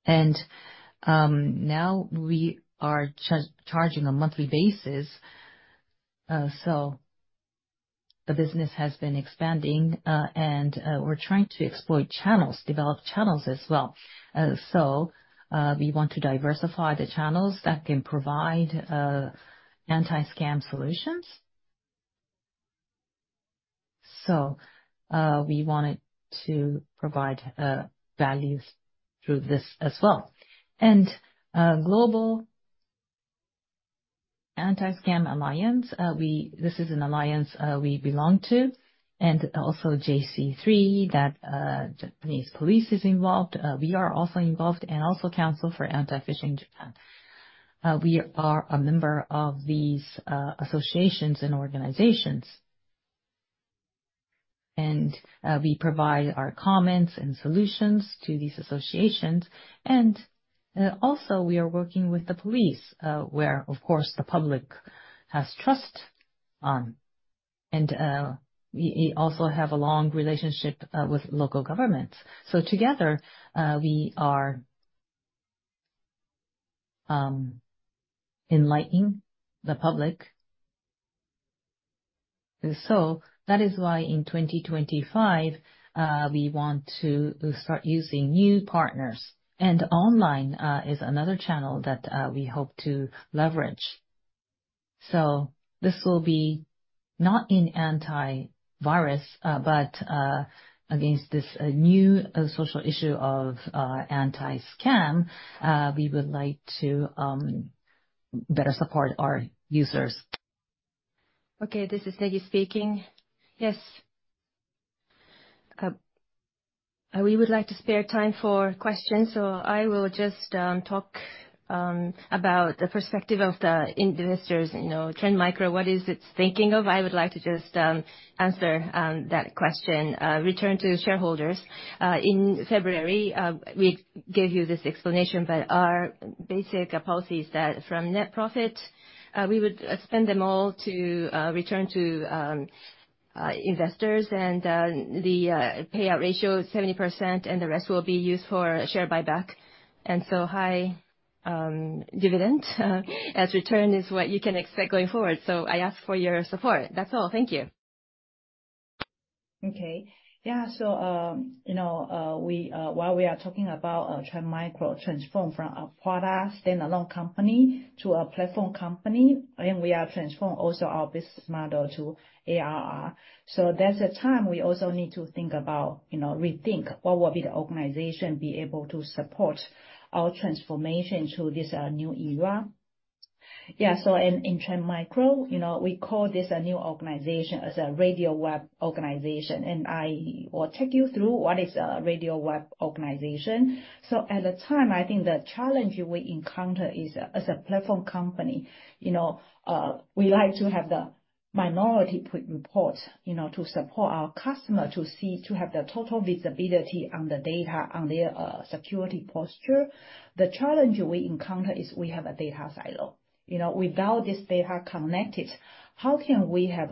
And now we are charging on a monthly basis. So the business has been expanding, and we're trying to exploit channels, develop channels as well. We want to diversify the channels that can provide anti-scam solutions. We wanted to provide value through this as well. Global Anti-Scam Alliance, this is an alliance we belong to, and also JC3, that Japanese police is involved. We are also involved and also Council of Anti-Phishing Japan. We are a member of these associations and organizations. We provide our comments and solutions to these associations. Also, we are working with the police, where, of course, the public has trust on. We also have a long relationship with local governments. Together, we are enlightening the public. That is why in 2025, we want to start using new partners. Online is another channel that we hope to leverage. This will be not in anti-virus, but against this ne w social issue of anti-scam; we would like to better support our users. Okay, this is Negi speaking. Yes. We would like to spare time for questions. So I will just talk about the perspective of the investors. Trend Micro, what is it thinking of? I would like to just answer that question. Return to shareholders. In February, we gave you this explanation, but our basic policy is that from net profit, we would spend them all to return to investors. And the payout ratio is 70%, and the rest will be used for share buyback. And so high dividend as return is what you can expect going forward. So I ask for your support. That's all. Thank you. Okay. Yeah. So while we are talking about Trend Micro transform from a product standalone company to a platform company, and we are transforming also our business model to ARR. So there's a time we also need to think about, rethink what will be the organization be able to support our transformation to this new era. Yeah. So in Trend Micro, we call this a new organization as a Radial Web organization. And I will take you through what is a Radial Web organization. So at the time, I think the challenge we encounter is as a platform company, we like to have the Minority Report to support our customer to have the total visibility on the data on their security posture. The challenge we encounter is we have a data silo. Without this data connected, how can we have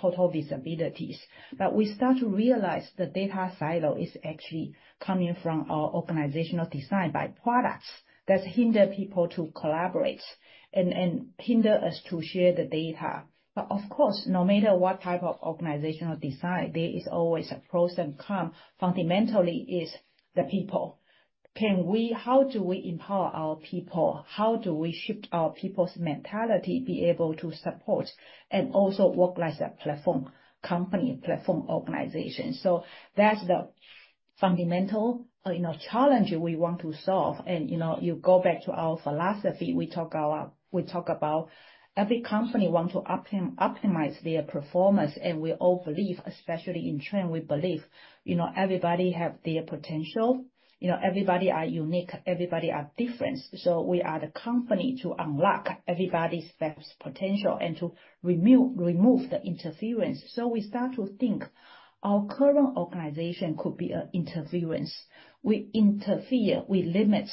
total visibilities? But we start to realize the data silo is actually coming from our organizational design by products that hinder people to collaborate and hinder us to share the data. But of course, no matter what type of organizational design, there is always a pros and cons. Fundamentally, it's the people. How do we empower our people? How do we shift our people's mentality to be able to support and also work like a platform company, platform organization? So that's the fundamental challenge we want to solve, and you go back to our philosophy. We talk about every company wanting to optimize their performance, and we all believe, especially in Trend, we believe everybody has their potential. Everybody is unique. Everybody is different, so we are the company to unlock everybody's best potential and to remove the interference. We start to think our current organization could be an interference. We interfere. We limit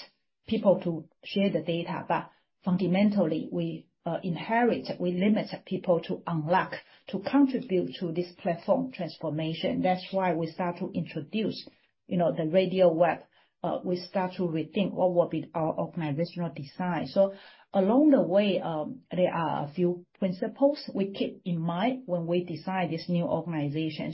people to share the data, but fundamentally, we inhibit. We limit people to unlock, to contribute to this platform transformation. That's why we start to introduce the Radial Web. We start to rethink what will be our organizational design. Along the way, there are a few principles we keep in mind when we design this new organization.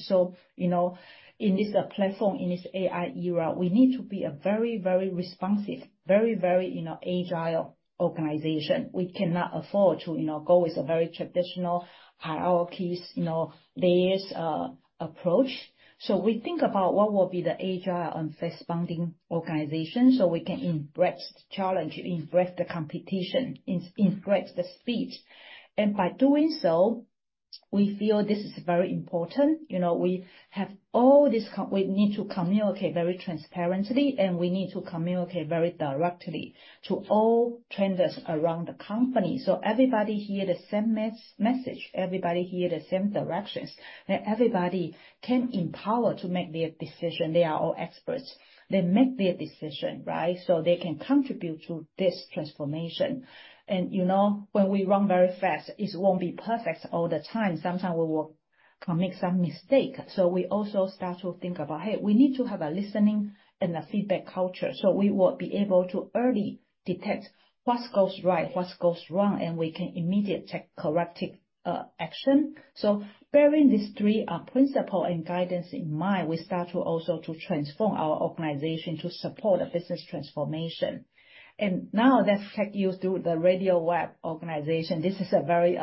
In this platform, in this AI era, we need to be a very, very responsive, very, very agile organization. We cannot afford to go with a very traditional hierarchy-based approach. We think about what will be the agile and fast-moving organization so we can embrace the challenge, embrace the competition, embrace the speed. By doing so, we feel this is very important. We have all this we need to communicate very transparently, and we need to communicate very directly to all trenders around the company. Everybody hears the same message. Everybody hears the same directions. Everybody can empower to make their decision. They are all experts. They make their decision, right? So they can contribute to this transformation. And when we run very fast, it won't be perfect all the time. Sometimes we will make some mistakes. So we also start to think about, hey, we need to have a listening and a feedback culture. So we will be able to early detect what goes right, what goes wrong, and we can immediately take corrective action. So bearing these three principles and guidance in mind, we start to also transform our organization to support the business transformation. And now let's take you through the Radial Web organization. This is a very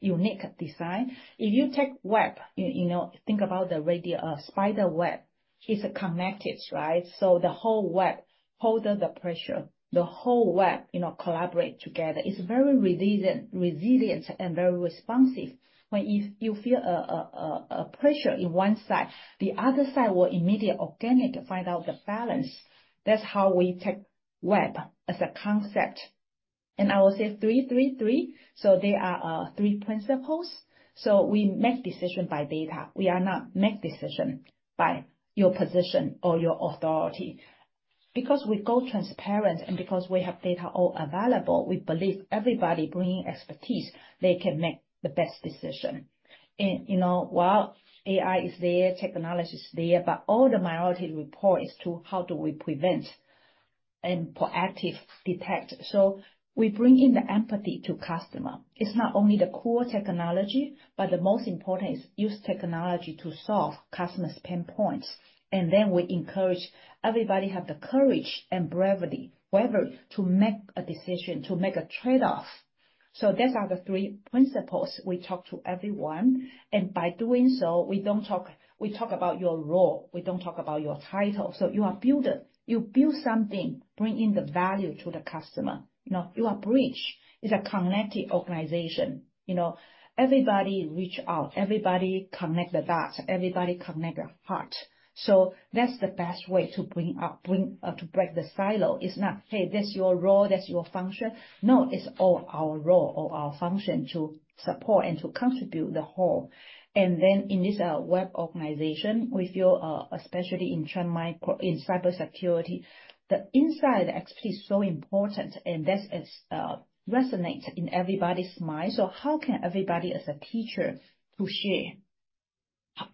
unique design. If you take web, think about the spider web. It's connected, right? So the whole web holds the pressure. The whole web collaborates together. It's very resilient and very responsive. When you feel a pressure on one side, the other side will immediately organically find out the balance. That's how we take Radial Web as a concept, and I will say three, three, three, so there are three principles. We make decisions by data, we are not make decisions by your position or your authority, because we go transparent and because we have data all available, we believe everybody bringing expertise, they can make the best decision, and while AI is there, technology is there, but all the Minority Report to how do we prevent and proactively detect, so we bring in the empathy to customers. It's not only the core technology, but the most important is use technology to solve customers' pain points, and then we encourage everybody to have the courage and bravery to make a decision, to make a trade-off. So those are the three principles we talk to everyone. And by doing so, we talk about your role. We don't talk about your title. So you are building. You build something, bringing the value to the customer. You are a bridge. It's a connected organization. Everybody reaches out. Everybody connects the dots. Everybody connects the heart. So that's the best way to break the silo. It's not, hey, that's your role, that's your function. No, it's all our role or our function to support and to contribute the whole. And then in this web organization, we feel, especially in cybersecurity, the insight, the expertise is so important, and that resonates in everybody's mind. So how can everybody as a teacher share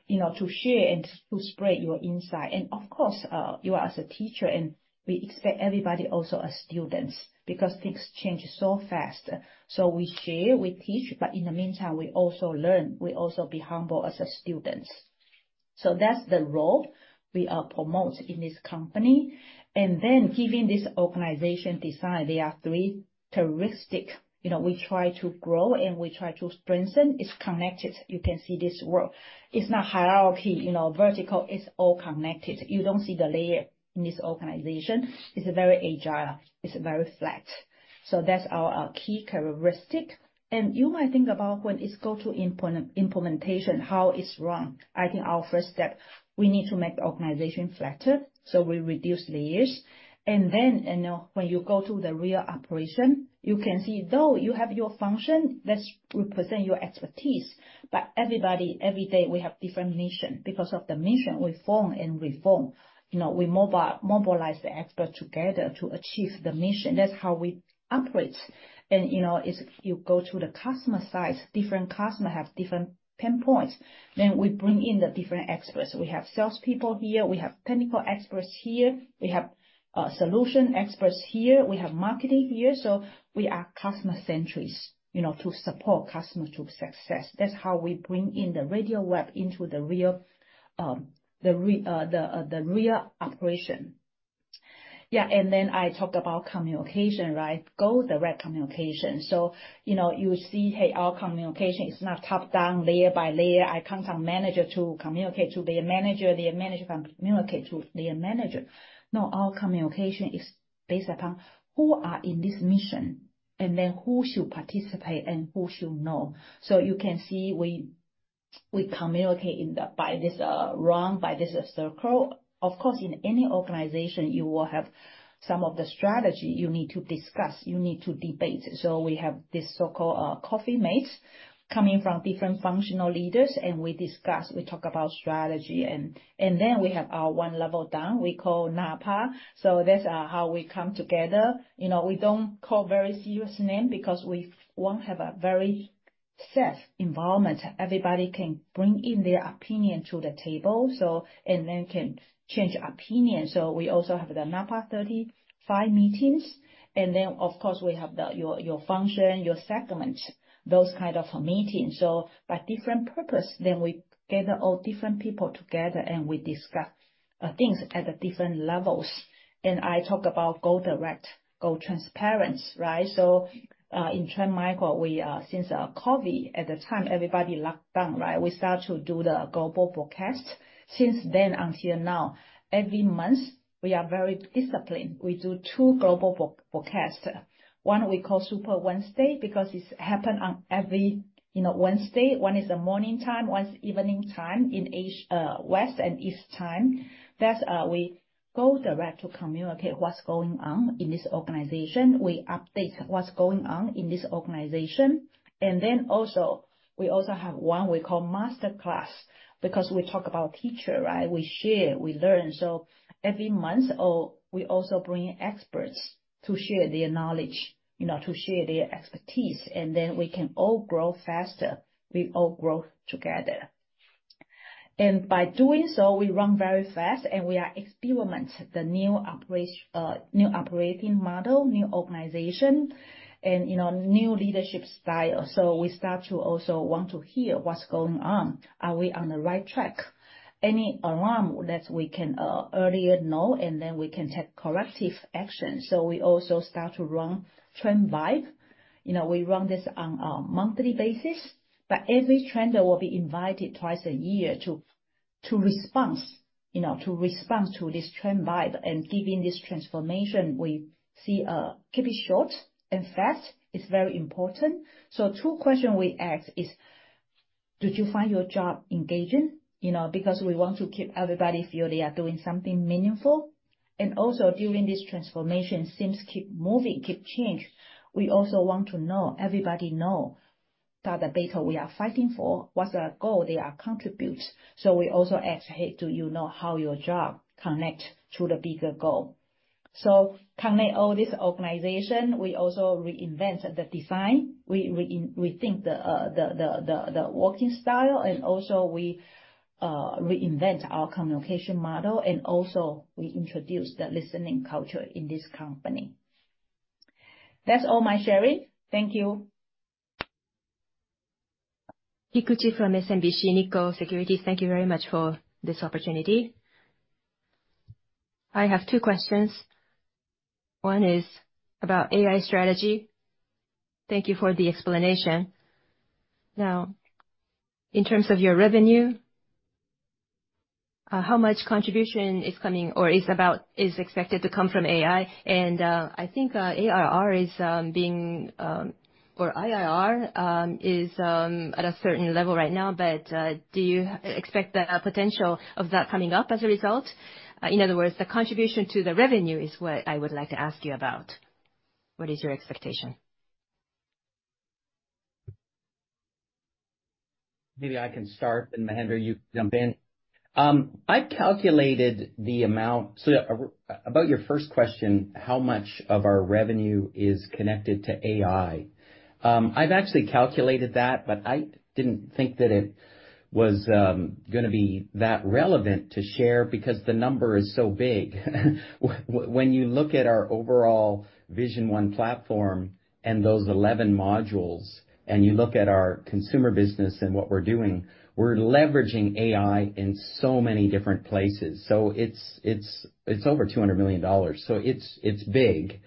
and spread your insight? And of course, you are as a teacher, and we expect everybody also as students because things change so fast. So we share, we teach, but in the meantime, we also learn. We also be humble as students. So that's the role we promote in this company. And then given this organization design, there are three characteristics. We try to grow, and we try to strengthen. It's connected. You can see this work. It's not hierarchy, vertical. It's all connected. You don't see the layer in this organization. It's very agile. It's very flat. So that's our key characteristic. And you might think about when it goes to implementation, how it's run. I think our first step, we need to make the organization flatter so we reduce layers. And then when you go to the real operation, you can see, though you have your function that represents your expertise, but everybody, every day, we have different mission. Because of the mission, we form and reform. We mobilize the experts together to achieve the mission. That's how we operate. And if you go to the customer side, different customers have different pain points. Then we bring in the different experts. We have salespeople here. We have technical experts here. We have solution experts here. We have marketing here. So we are customer-centric to support customers to success. That's how we bring in the Radial Web into the real operation. Yeah. And then I talk about communication, right? Go direct communication. So you see, hey, our communication is not top-down, layer by layer. I contact manager to communicate to their manager. Their manager communicates to their manager. No, our communication is based upon who is in this mission and then who should participate and who should know. So you can see we communicate by this ring, by this circle. Of course, in any organization, you will have some of the strategy you need to discuss. You need to debate, so we have this so-called coffee mates coming from different functional leaders, and we discuss. We talk about strategy, and then we have our one level down. We call NAPA, so that's how we come together. We don't call very serious names because we won't have a very safe environment. Everybody can bring in their opinion to the table and then can change opinion, so we also have the NAPA 35 meetings, and then, of course, we have your function, your segment, those kinds of meetings, so by different purpose, then we gather all different people together, and we discuss things at different levels, and I talk about go direct, go transparent, right? In Trend Micro, since COVID, at the time, everybody locked down, right? We start to do the global broadcast. Since then until now, every month, we are very disciplined. We do two global broadcasts. One we call Super Wednesday because it happens on every Wednesday. One is the morning time. One is evening time in West and East Time. We go direct to communicate what's going on in this organization. We update what's going on in this organization, and then we also have one we call Masterclass because we talk about teachers, right? We share, we learn, so every month, we also bring experts to share their knowledge, to share their expertise, and then we can all grow faster. We all grow together, and by doing so, we run very fast, and we are experimenting the new operating model, new organization, and new leadership style, so we start to also want to hear what's going on. Are we on the right track? Any alarm that we can earlier know, and then we can take corrective action. So we also start to run Trend Vibe. We run this on a monthly basis, but every Trender will be invited twice a year to respond to this Trend Vibe and give in this transformation. We see it can be short and fast. It's very important. So two questions we ask is, do you find your job engaging? Because we want to keep everybody feeling they are doing something meaningful. And also, during this transformation, things keep moving, keep changing. We also want to know, everybody know that the battle we are fighting for, what's the goal they are contributing. So we also ask, hey, do you know how your job connects to the bigger goal? So connect all this organization. We also reinvent the design. We rethink the working style, and also we reinvent our communication model, and also we introduce the listening culture in this company. That's all my sharing. Thank you. Kikuchi from SMBC Nikko Securities. Thank you very much for this opportunity. I have two questions. One is about AI strategy. Thank you for the explanation. Now, in terms of your revenue, how much contribution is coming or is expected to come from AI? And I think ARR is being or ARR is at a certain level right now, but do you expect the potential of that coming up as a result? In other words, the contribution to the revenue is what I would like to ask you about. What is your expectation? Maybe I can start, and Mahendra, you can jump in. I've calculated the amount. So about your first question, how much of our revenue is connected to AI? I've actually calculated that, but I didn't think that it was going to be that relevant to share because the number is so big. When you look at our overall Vision One platform and those 11 modules, and you look at our consumer business and what we're doing, we're leveraging AI in so many different places. So it's over $200 million. So it's big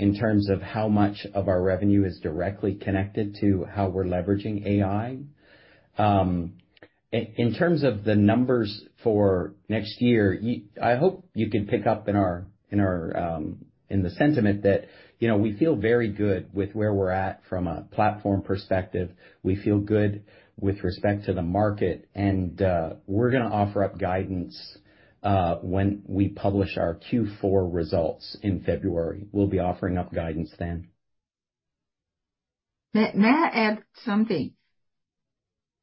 in terms of how much of our revenue is directly connected to how we're leveraging AI. In terms of the numbers for next year, I hope you can pick up in the sentiment that we feel very good with where we're at from a platform perspective. We feel good with respect to the market, and we're going to offer up guidance when we publish our Q4 results in February. We'll be offering up guidance then. May I add something?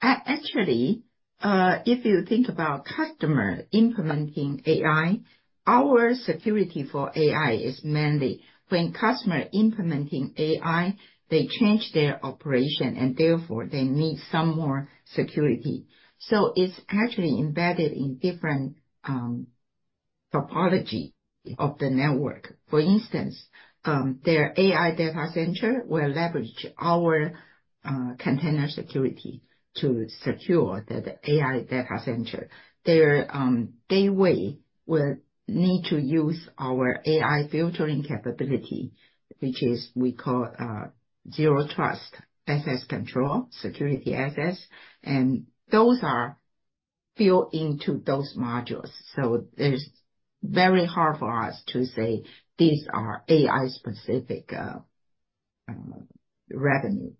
Actually, if you think about customer implementing AI, our security for AI is mainly when customers implementing AI, they change their operation, and therefore, they need some more security. So it's actually embedded in different topology of the network. For instance, their AI data center will leverage our container security to secure that AI data center. Their gateway will need to use our AI filtering capability, which we call Zero Trust SaaS Control, Security SaaS. And those are built into those modules. So it's very hard for us to say these are AI-specific revenue.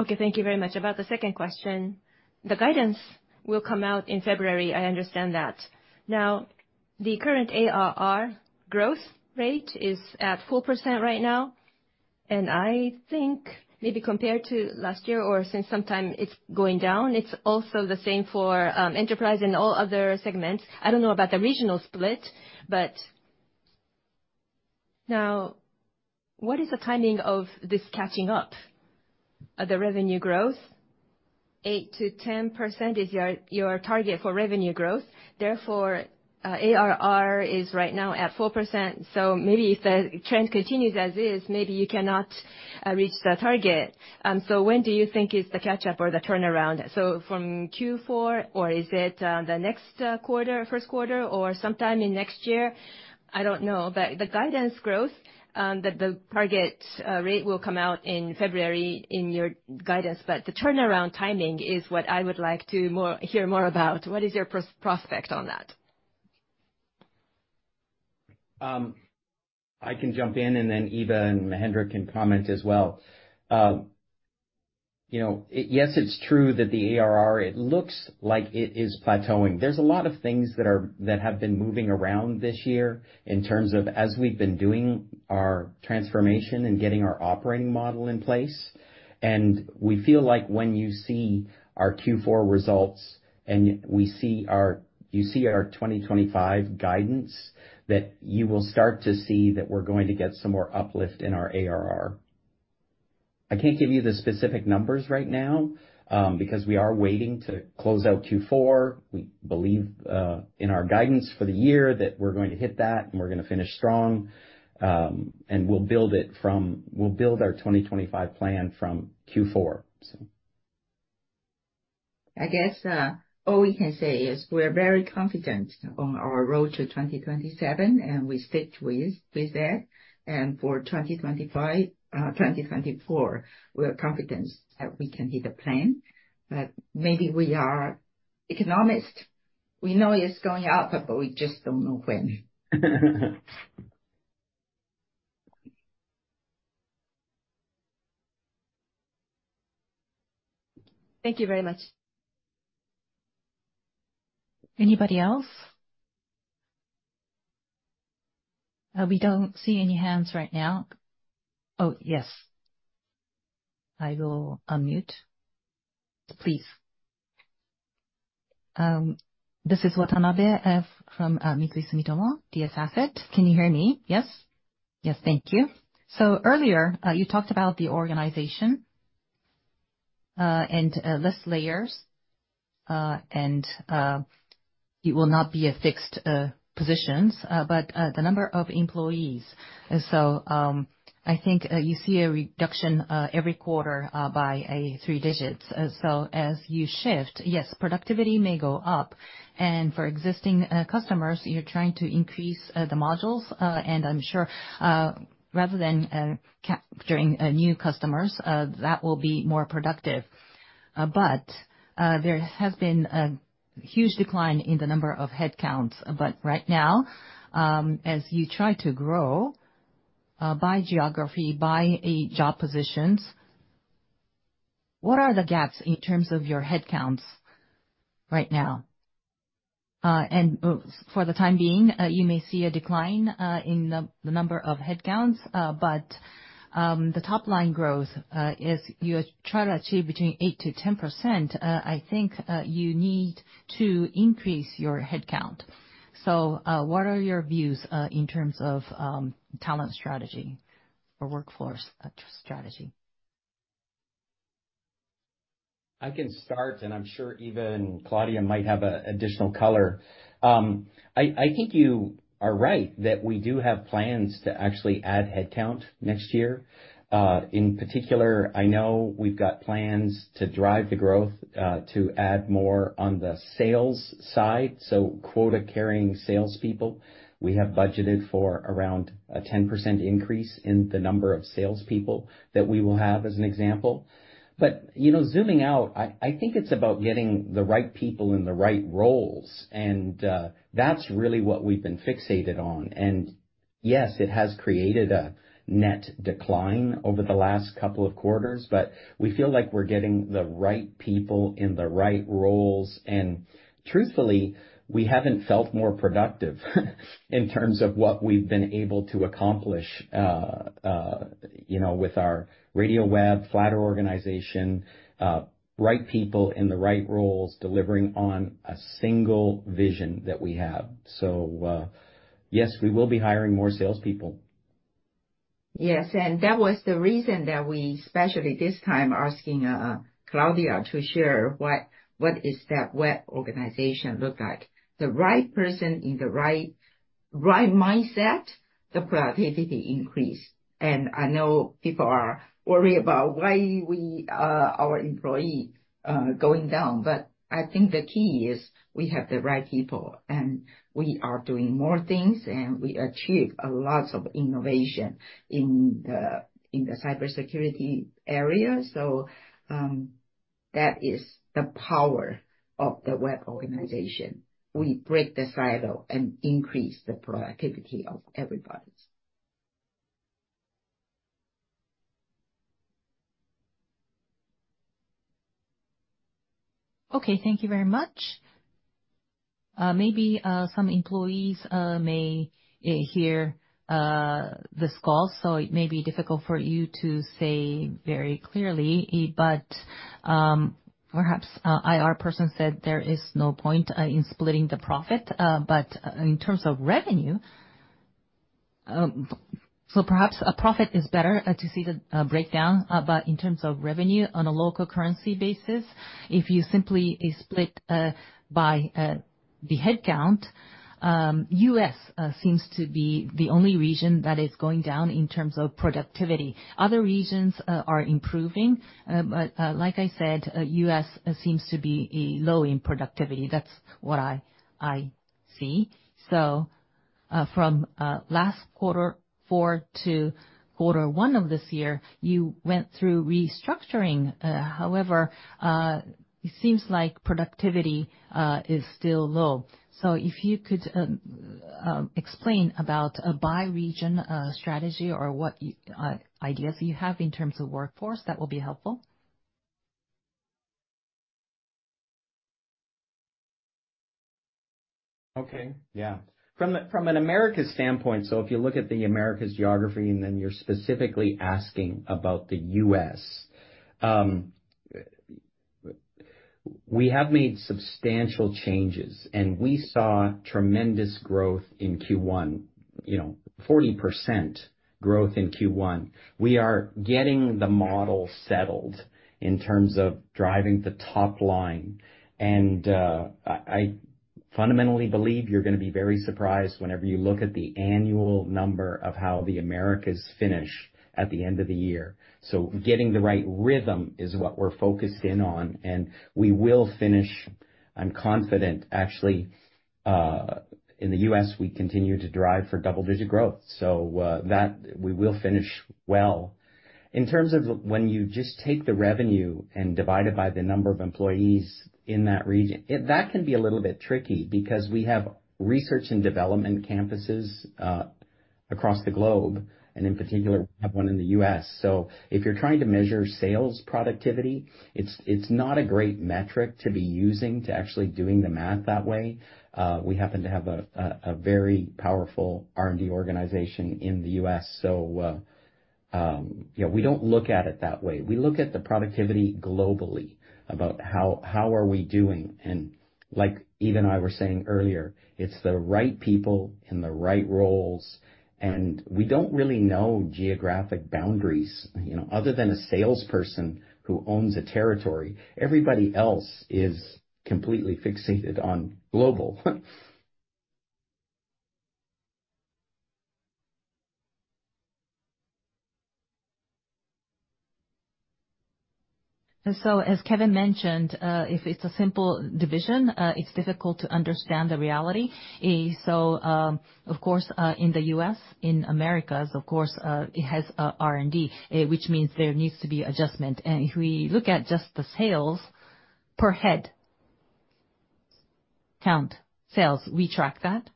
Okay. Thank you very much. About the second question, the guidance will come out in February, I understand that. Now, the current ARR growth rate is at 4% right now. And I think maybe compared to last year or since sometime it's going down, it's also the same for enterprise and all other segments. I don't know about the regional split, but now, what is the timing of this catching up? The revenue growth, 8%-10% is your target for revenue growth. Therefore, ARR is right now at 4%. So maybe if the trend continues as is, maybe you cannot reach the target. So when do you think is the catch-up or the turnaround? So from Q4, or is it the next quarter, first quarter, or sometime in next year? I don't know. But the guidance growth, the target rate will come out in February in your guidance. But the turnaround timing is what I would like to hear more about. What is your prospect on that?I can jump in, and then Eva and Mahendra can comment as well. Yes, it's true that the ARR, it looks like it is plateauing. There's a lot of things that have been moving around this year in terms of, as we've been doing our transformation and getting our operating model in place, and we feel like when you see our Q4 results and you see our 2025 guidance, that you will start to see that we're going to get some more uplift in our ARR. I can't give you the specific numbers right now because we are waiting to close out Q4. We believe in our guidance for the year that we're going to hit that, and we're going to finish strong, and we'll build our 2025 plan from Q4. So I guess all we can say is we're very confident on our road to 2027, and we stick with that, and for 2024, we're confident that we can hit the plan, but maybe we are economists. We know it's going up, but we just don't know when. Thank you very much. Anybody else? We don't see any hands right now. Oh, yes. I will unmute. Please. This is Watanabe from Mitsui Sumitomo DS Asset. Can you hear me? Yes? Yes. Thank you. So earlier, you talked about the organization and list layers, and it will not be fixed positions, but the number of employees. So I think you see a reduction every quarter by three digits. So as you shift, yes, productivity may go up, and for existing customers, you're trying to increase the modules, and I'm sure rather than capturing new customers, that will be more productive, but there has been a huge decline in the number of headcounts, but right now, as you try to grow by geography, by job positions, what are the gaps in terms of your headcounts right now? For the time being, you may see a decline in the number of headcounts. The top-line growth, as you try to achieve between 8%-10%, I think you need to increase your headcount. What are your views in terms of talent strategy or workforce strategy? I can start, and I'm sure even Claudia might have an additional color. I think you are right that we do have plans to actually add headcount next year. In particular, I know we've got plans to drive the growth to add more on the sales side. So quota-carrying salespeople, we have budgeted for around a 10% increase in the number of salespeople that we will have as an example. Zooming out, I think it's about getting the right people in the right roles. That's really what we've been fixated on. And yes, it has created a net decline over the last couple of quarters, but we feel like we're getting the right people in the right roles. And truthfully, we haven't felt more productive in terms of what we've been able to accomplish with our Radial Web, flatter organization, right people in the right roles delivering on a single vision that we have. So yes, we will be hiring more salespeople. Yes. And that was the reason that we especially this time are asking Claudia to share what that Radial Web organization looks like. The right person in the right mindset, the productivity increase. And I know people are worried about why our employee is going down. But I think the key is we have the right people, and we are doing more things, and we achieve lots of innovation in the cybersecurity area. So that is the power of the web organization. We break the silo and increase the productivity of everybody. Okay. Thank you very much. Maybe some employees may hear this call, so it may be difficult for you to say very clearly. But perhaps our person said there is no point in splitting the profit. But in terms of revenue, so perhaps a profit is better to see the breakdown. But in terms of revenue on a local currency basis, if you simply split by the headcount, U.S. seems to be the only region that is going down in terms of productivity. Other regions are improving. But like I said, U.S. seems to be low in productivity. That's what I see. So from last quarter four to quarter one of this year, you went through restructuring. However, it seems like productivity is still low. So if you could explain about a bi-region strategy or what ideas you have in terms of workforce, that will be helpful. Okay. Yeah. From an Americas standpoint, so if you look at the Americas geography and then you're specifically asking about the U.S., we have made substantial changes, and we saw tremendous growth in Q1, 40% growth in Q1. We are getting the model settled in terms of driving the top line. And I fundamentally believe you're going to be very surprised whenever you look at the annual number of how the Americas finish at the end of the year. So getting the right rhythm is what we're focused in on. And we will finish. I'm confident. Actually, in the U.S., we continue to drive for double-digit growth. So we will finish well. In terms of when you just take the revenue and divide it by the number of employees in that region, that can be a little bit tricky because we have research and development campuses across the globe, and in particular, we have one in the U.S., so if you're trying to measure sales productivity, it's not a great metric to be using to actually doing the math that way. We happen to have a very powerful R&D organization in the U.S., so we don't look at it that way. We look at the productivity globally, about how are we doing, and like Eva and I were saying earlier, it's the right people in the right roles, and we don't really know geographic boundaries. Other than a salesperson who owns a territory, everybody else is completely fixated on global. And so, as Kevin mentioned, if it's a simple division, it's difficult to understand the reality. So of course, in the U.S, in Americas, of course, it has R&D, which means there needs to be adjustment. And if we look at just the sales per head count sales, we track that.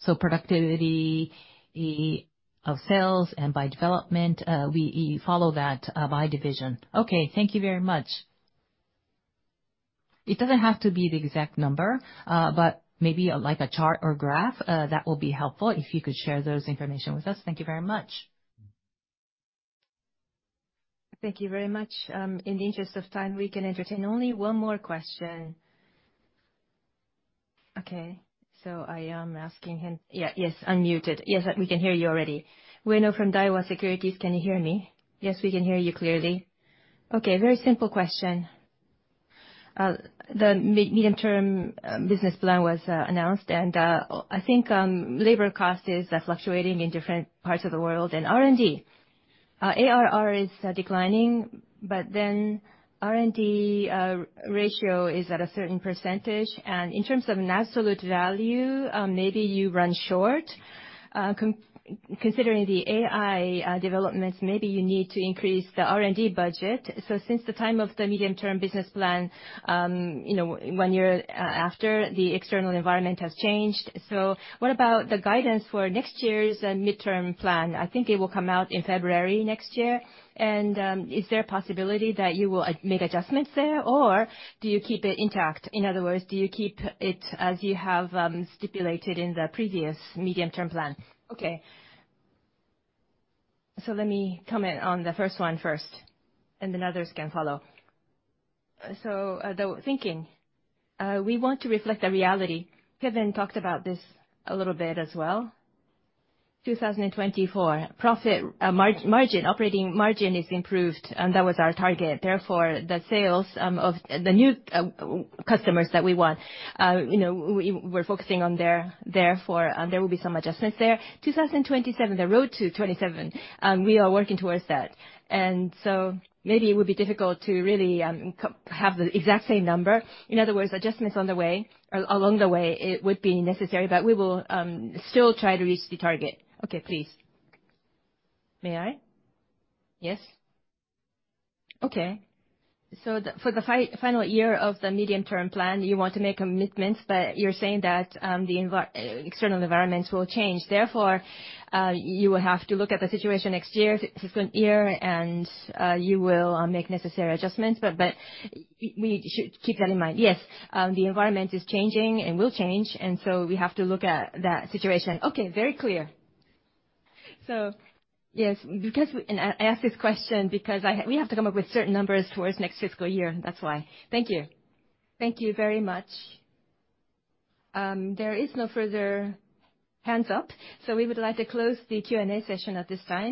So productivity of sales and by development, we follow that by division. Okay. Thank you very much. It doesn't have to be the exact number, but maybe like a chart or graph, that will be helpful if you could share those information with us. Thank you very much. Thank you very much. In the interest of time, we can entertain only one more question. Okay. So I am asking him. Yeah. Yes. Unmuted. Yes. We can hear you already. Ueno from Daiwa Securities, can you hear me? Yes, we can hear you clearly. Okay. Very simple question. The medium-term business plan was announced, and I think labor cost is fluctuating in different parts of the world. And R&D ARR is declining, but then R&D ratio is at a certain percentage. And in terms of an absolute value, maybe you run short. Considering the AI developments, maybe you need to increase the R&D budget. So since the time of the medium-term business plan, one year after, the external environment has changed. So what about the guidance for next year's midterm plan? I think it will come out in February next year. And is there a possibility that you will make adjustments there, or do you keep it intact? In other words, do you keep it as you have stipulated in the previous medium-term business plan? Okay. So let me comment on the first one first, and then others can follow. So the thinking, we want to reflect the reality. Kevin talked about this a little bit as well. 2024, profit margin, operating margin is improved, and that was our target. Therefore, the sales of the new customers that we want, we're focusing on there. Therefore, there will be some adjustments there. 2027, the road to 2027, we are working towards that. And so maybe it would be difficult to really have the exact same number. In other words, adjustments on the way, along the way, it would be necessary, but we will still try to reach the target. Okay. Please. May I? Yes. Okay. So for the final year of the medium-term plan, you want to make commitments, but you're saying that the external environments will change. Therefore, you will have to look at the situation next year, fiscal year, and you will make necessary adjustments. But we should keep that in mind. Yes, the environment is changing and will change. And so we have to look at that situation. Okay. Very clear. So yes, I asked this question because we have to come up with certain numbers towards next fiscal year. That's why. Thank you. Thank you very much. There is no further hands up. So we would like to close the Q&A session at this time.